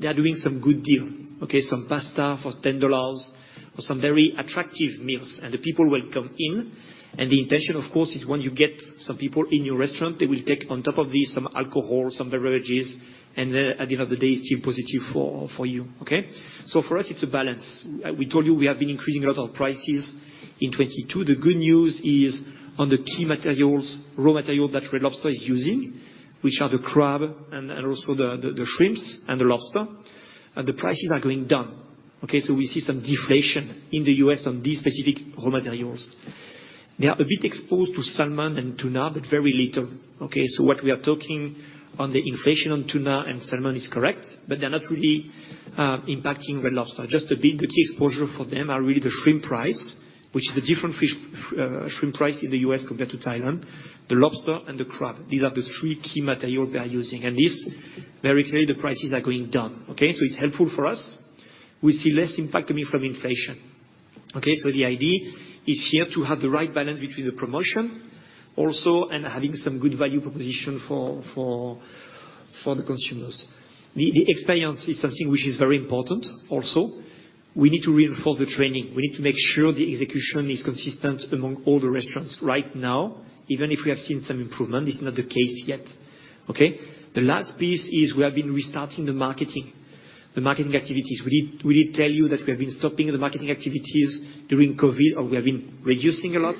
they are doing some good deal, okay? Some pasta for $10 or some very attractive meals, the people will come in. The intention, of course, is when you get some people in your restaurant, they will take on top of this some alcohol, some beverages, and then at the end of the day, it's still positive for you, okay? For us, it's a balance. We told you we have been increasing a lot of prices in 22. The good news is on the key materials, raw material that Red Lobster is using, which are the crab and also the shrimps and the lobster, and the prices are going down, okay? We see some deflation in the US on these specific raw materials. They are a bit exposed to salmon and tuna, but very little, okay? What we are talking on the inflation on tuna and salmon is correct, but they're not really impacting Red Lobster. Just a bit, the key exposure for them are really the shrimp price, which is a different fish, shrimp price in the US compared to Thailand, the lobster and the crab. These are the three key material they are using. This very clearly the prices are going down, okay? It's helpful for us. We see less impact coming from inflation. Okay. The idea is here to have the right balance between the promotion also and having some good value proposition for the consumers. The experience is something which is very important also. We need to reinforce the training. We need to make sure the execution is consistent among all the restaurants. Right now, even if we have seen some improvement, it's not the case yet. Okay? The last piece is we have been restarting the marketing activities. We did tell you that we have been stopping the marketing activities during COVID or we have been reducing a lot.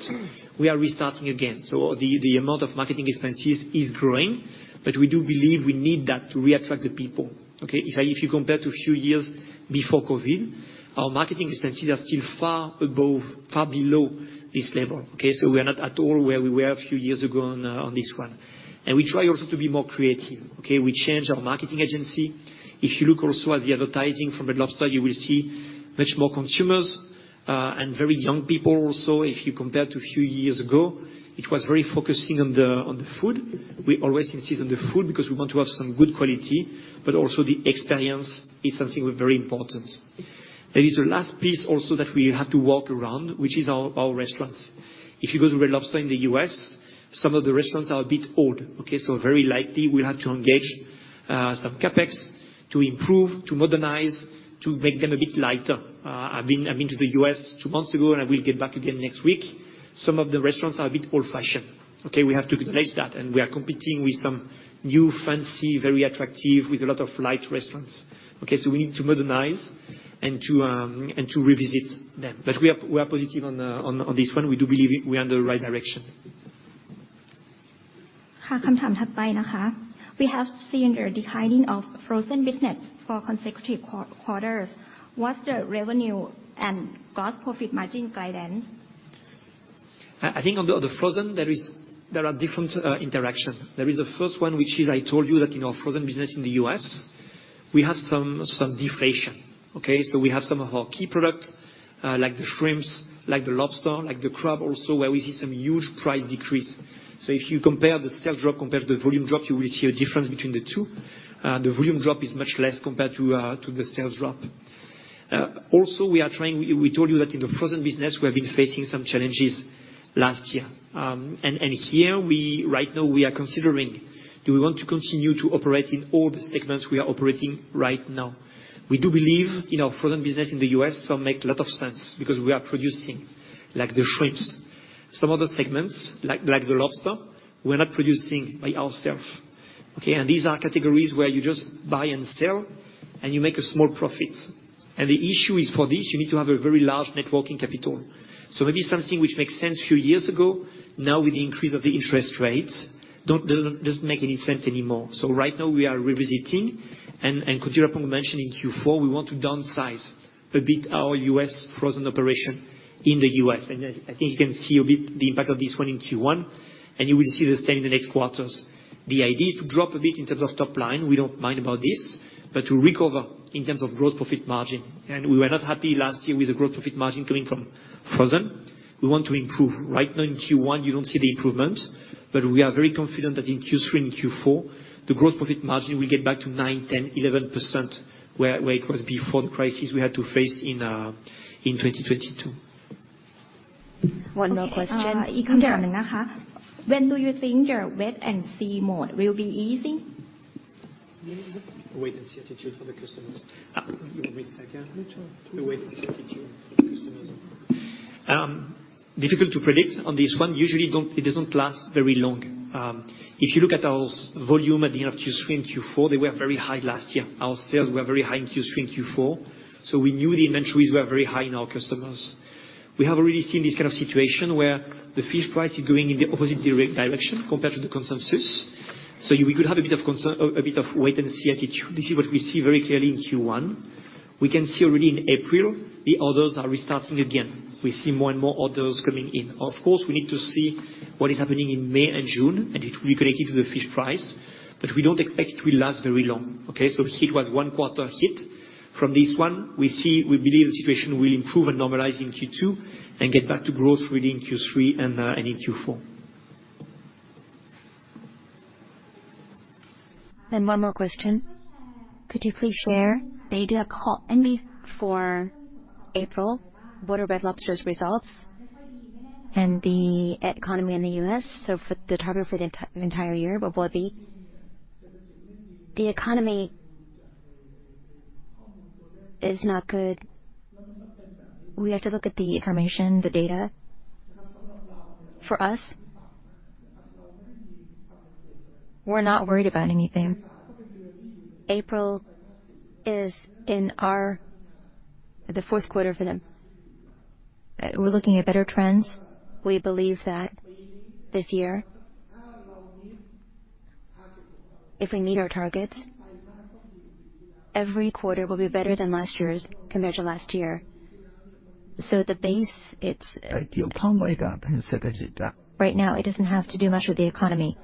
We are restarting again. The amount of marketing expenses is growing, but we do believe we need that to reattract the people, okay? If you compare to a few years before COVID, our marketing expenses are still far below this level, okay? We are not at all where we were a few years ago on this one. We try also to be more creative, okay? We changed our marketing agency. If you look also at the advertising from Red Lobster, you will see much more consumers and very young people also if you compare to a few years ago. It was very focusing on the food. We always insist on the food because we want to have some good quality, but also the experience is something very important. There is a last piece also that we have to work around, which is our restaurants. If you go to Red Lobster in the U.S., some of the restaurants are a bit old, okay? Very likely we'll have to engage some CapEx to improve, to modernize, to make them a bit lighter. I've been to the U.S. two months ago, I will get back again next week. Some of the restaurants are a bit old-fashioned. Okay? We have to recognize that, we are competing with some new, fancy, very attractive, with a lot of light restaurants. Okay? We need to modernize and to revisit them. We are positive on this one. We do believe we're on the right direction. We have seen the declining of frozen business for consecutive quarters. What's the revenue and gross profit margin guidance? I think on the frozen there are different interaction. There is a first one, which is I told you that, you know, frozen business in the U.S., we have some deflation, okay? We have some of our key products, like the shrimps, like the lobster, like the crab also, where we see some huge price decrease. If you compare the sales drop compared to the volume drop, you will see a difference between the two. The volume drop is much less compared to the sales drop. Also we told you that in the frozen business we have been facing some challenges last year. Right now we are considering, do we want to continue to operate in all the segments we are operating right now? We do believe in our frozen business in the U.S. some make a lot of sense because we are producing, like the shrimps. Some other segments, like the lobster, we're not producing by ourself, okay? These are categories where you just buy and sell, and you make a small profit. The issue is for this, you need to have a very large net working capital. Maybe something which makes sense a few years ago, now with the increase of the interest rates doesn't make any sense anymore. Right now we are revisiting. Thiraphong Chansiri mentioned in Q4 we want to downsize a bit our U.S. frozen operation in the U.S. I think you can see a bit the impact of this one in Q1, and you will see the same in the next quarters. The idea is to drop a bit in terms of top line, we don't mind about this, but to recover in terms of gross profit margin. We were not happy last year with the gross profit margin coming from frozen. We want to improve. Right now in Q1 you don't see the improvement, but we are very confident that in Q3 and Q4 the gross profit margin will get back to 9%, 10%, 11% where it was before the crisis we had to face in 2022. One more question. When do you think your wait and see mode will be easing? The wait and see attitude for the customers. Difficult to predict on this one. Usually it doesn't last very long. If you look at our volume at the end of Q3 and Q4, they were very high last year. Our sales were very high in Q3 and Q4. We knew the inventories were very high in our customers. We have already seen this kind of situation where the fish price is going in the opposite direction compared to the consensus. We could have a bit of wait and see attitude. This is what we see very clearly in Q1. We can see already in April the orders are restarting again. We see more and more orders coming in. We need to see what is happening in May and June. It will be connected to the fish price. We don't expect it will last very long, okay? We see it was one quarter hit. From this one we believe the situation will improve and normalize in Q2 and get back to growth really in Q3 and in Q4. One more question. Could you please share maybe a call, maybe for April, what are Red Lobster's results and the economy in the U.S., for the target for the entire year, what will it be? The economy is not good. We have to look at the information, the data. For us, we're not worried about anything. April is in our... the fourth quarter for them. We're looking at better trends. We believe that this year, if we meet our targets, every quarter will be better than last year's compared to last year. The base, Right now it doesn't have to do much with the economy.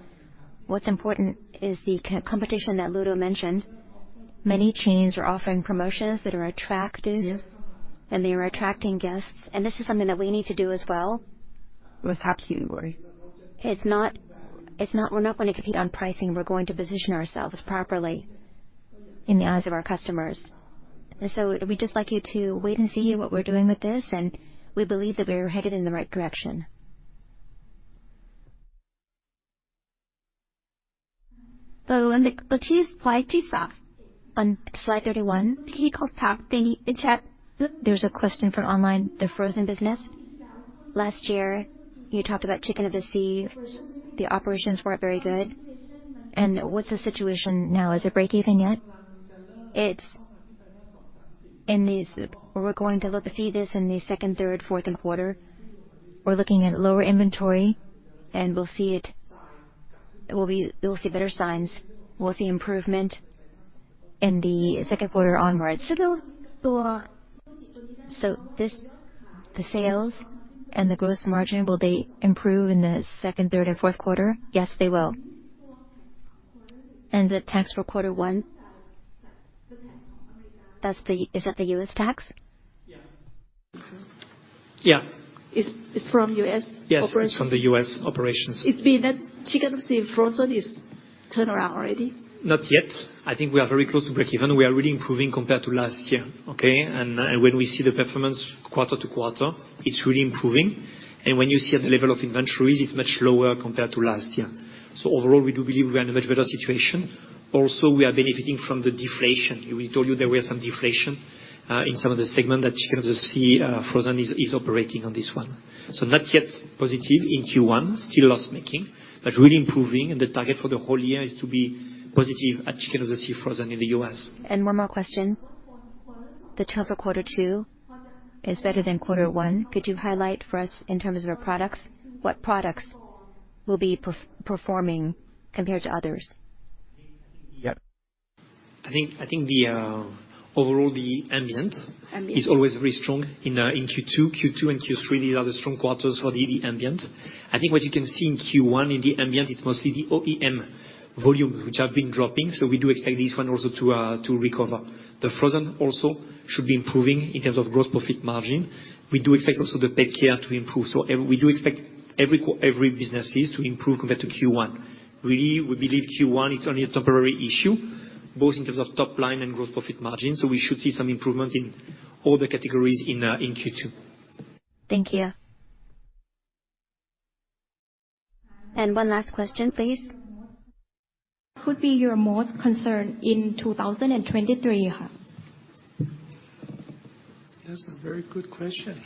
What's important is the competition that Ludo mentioned. Many chains are offering promotions that are attractive. Yes. They are attracting guests. This is something that we need to do as well. With happy and worry. It's not... We're not going to compete on pricing. We're going to position ourselves properly. In the eyes of our customers. We'd just like you to wait and see what we're doing with this, and we believe that we're headed in the right direction. There's a question from online, the frozen business. Last year, you talked about Chicken of the Sea. The operations weren't very good. What's the situation now? Is it breakeven yet? We're going to look to see this in the second, third, fourth and quarter. We're looking at lower inventory and we'll see it. We'll see better signs. We'll see improvement in the second quarter onwards. The sales and the gross margin, will they improve in the second, third and fourth quarter? Yes, they will. The tax for quarter one, is that the U.S. tax? Yeah. Yeah. It's from US operations? Yes, it's from the U.S. operations. It's been that Chicken of the Sea Frozen is turned around already? Not yet. I think we are very close to breakeven. We are really improving compared to last year, okay? When we see the performance quarter to quarter, it's really improving. When you see the level of inventories, it's much lower compared to last year. Overall, we do believe we are in a much better situation. Also, we are benefiting from the deflation. We told you there were some deflation in some of the segment that Chicken of the Sea Frozen is operating on this one. Not yet positive in Q1, still loss-making, but really improving. The target for the whole year is to be positive at Chicken of the Sea Frozen in the U.S. One more question. The total quarter two is better than quarter one. Could you highlight for us in terms of our products, what products will be performing compared to others? Yeah. I think the overall. Ambient. is always very strong in Q2. Q2 and Q3, these are the strong quarters for the ambient. I think what you can see in Q1 in the ambient, it's mostly the OEM volume which have been dropping. We do expect this one also to recover. The frozen also should be improving in terms of gross profit margin. We do expect also the PetCare to improve. We do expect every businesses to improve compared to Q1. Really, we believe Q1 is only a temporary issue, both in terms of top line and gross profit margin. We should see some improvement in all the categories in Q2. Thank you. one last question, please. What could be your most concern in 2023? That's a very good question.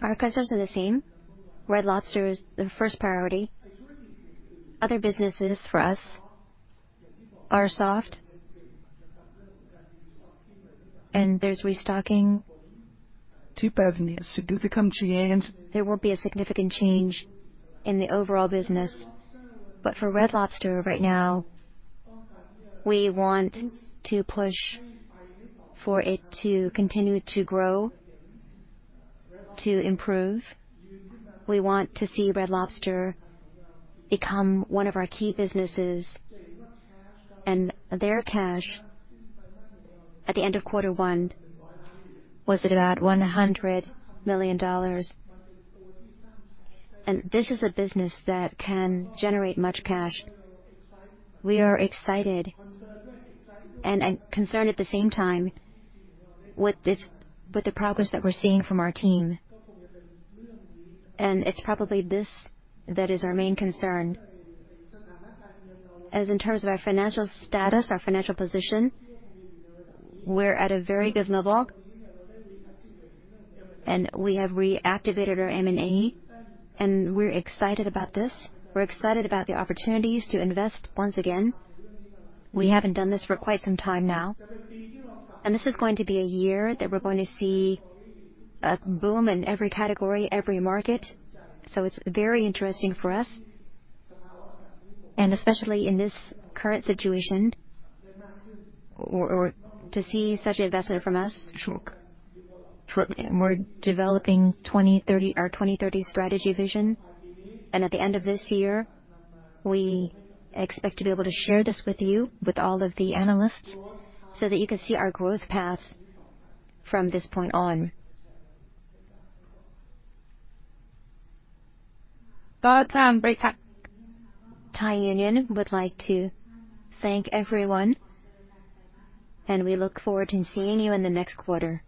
Our concerns are the same. Red Lobster is the first priority. Other businesses for us are soft. There's restocking. There won't be a significant change. There won't be a significant change in the overall business. For Red Lobster right now, we want to push for it to continue to grow, to improve. We want to see Red Lobster become one of our key businesses. Their cash at the end of quarter one was about $100 million. This is a business that can generate much cash. We are excited and concerned at the same time with the progress that we're seeing from our team. It's probably this that is our main concern. As in terms of our financial status, our financial position, we're at a very good level. We have reactivated our M&A, and we're excited about this. We're excited about the opportunities to invest once again. We haven't done this for quite some time now. This is going to be a year that we're going to see a boom in every category, every market. It's very interesting for us. Especially in this current situation, or to see such investment from us. We're developing our 2030 strategy vision. At the end of this year, we expect to be able to share this with you, with all of the analysts, so that you can see our growth path from this point on. Thai Union would like to thank everyone, and we look forward to seeing you in the next quarter.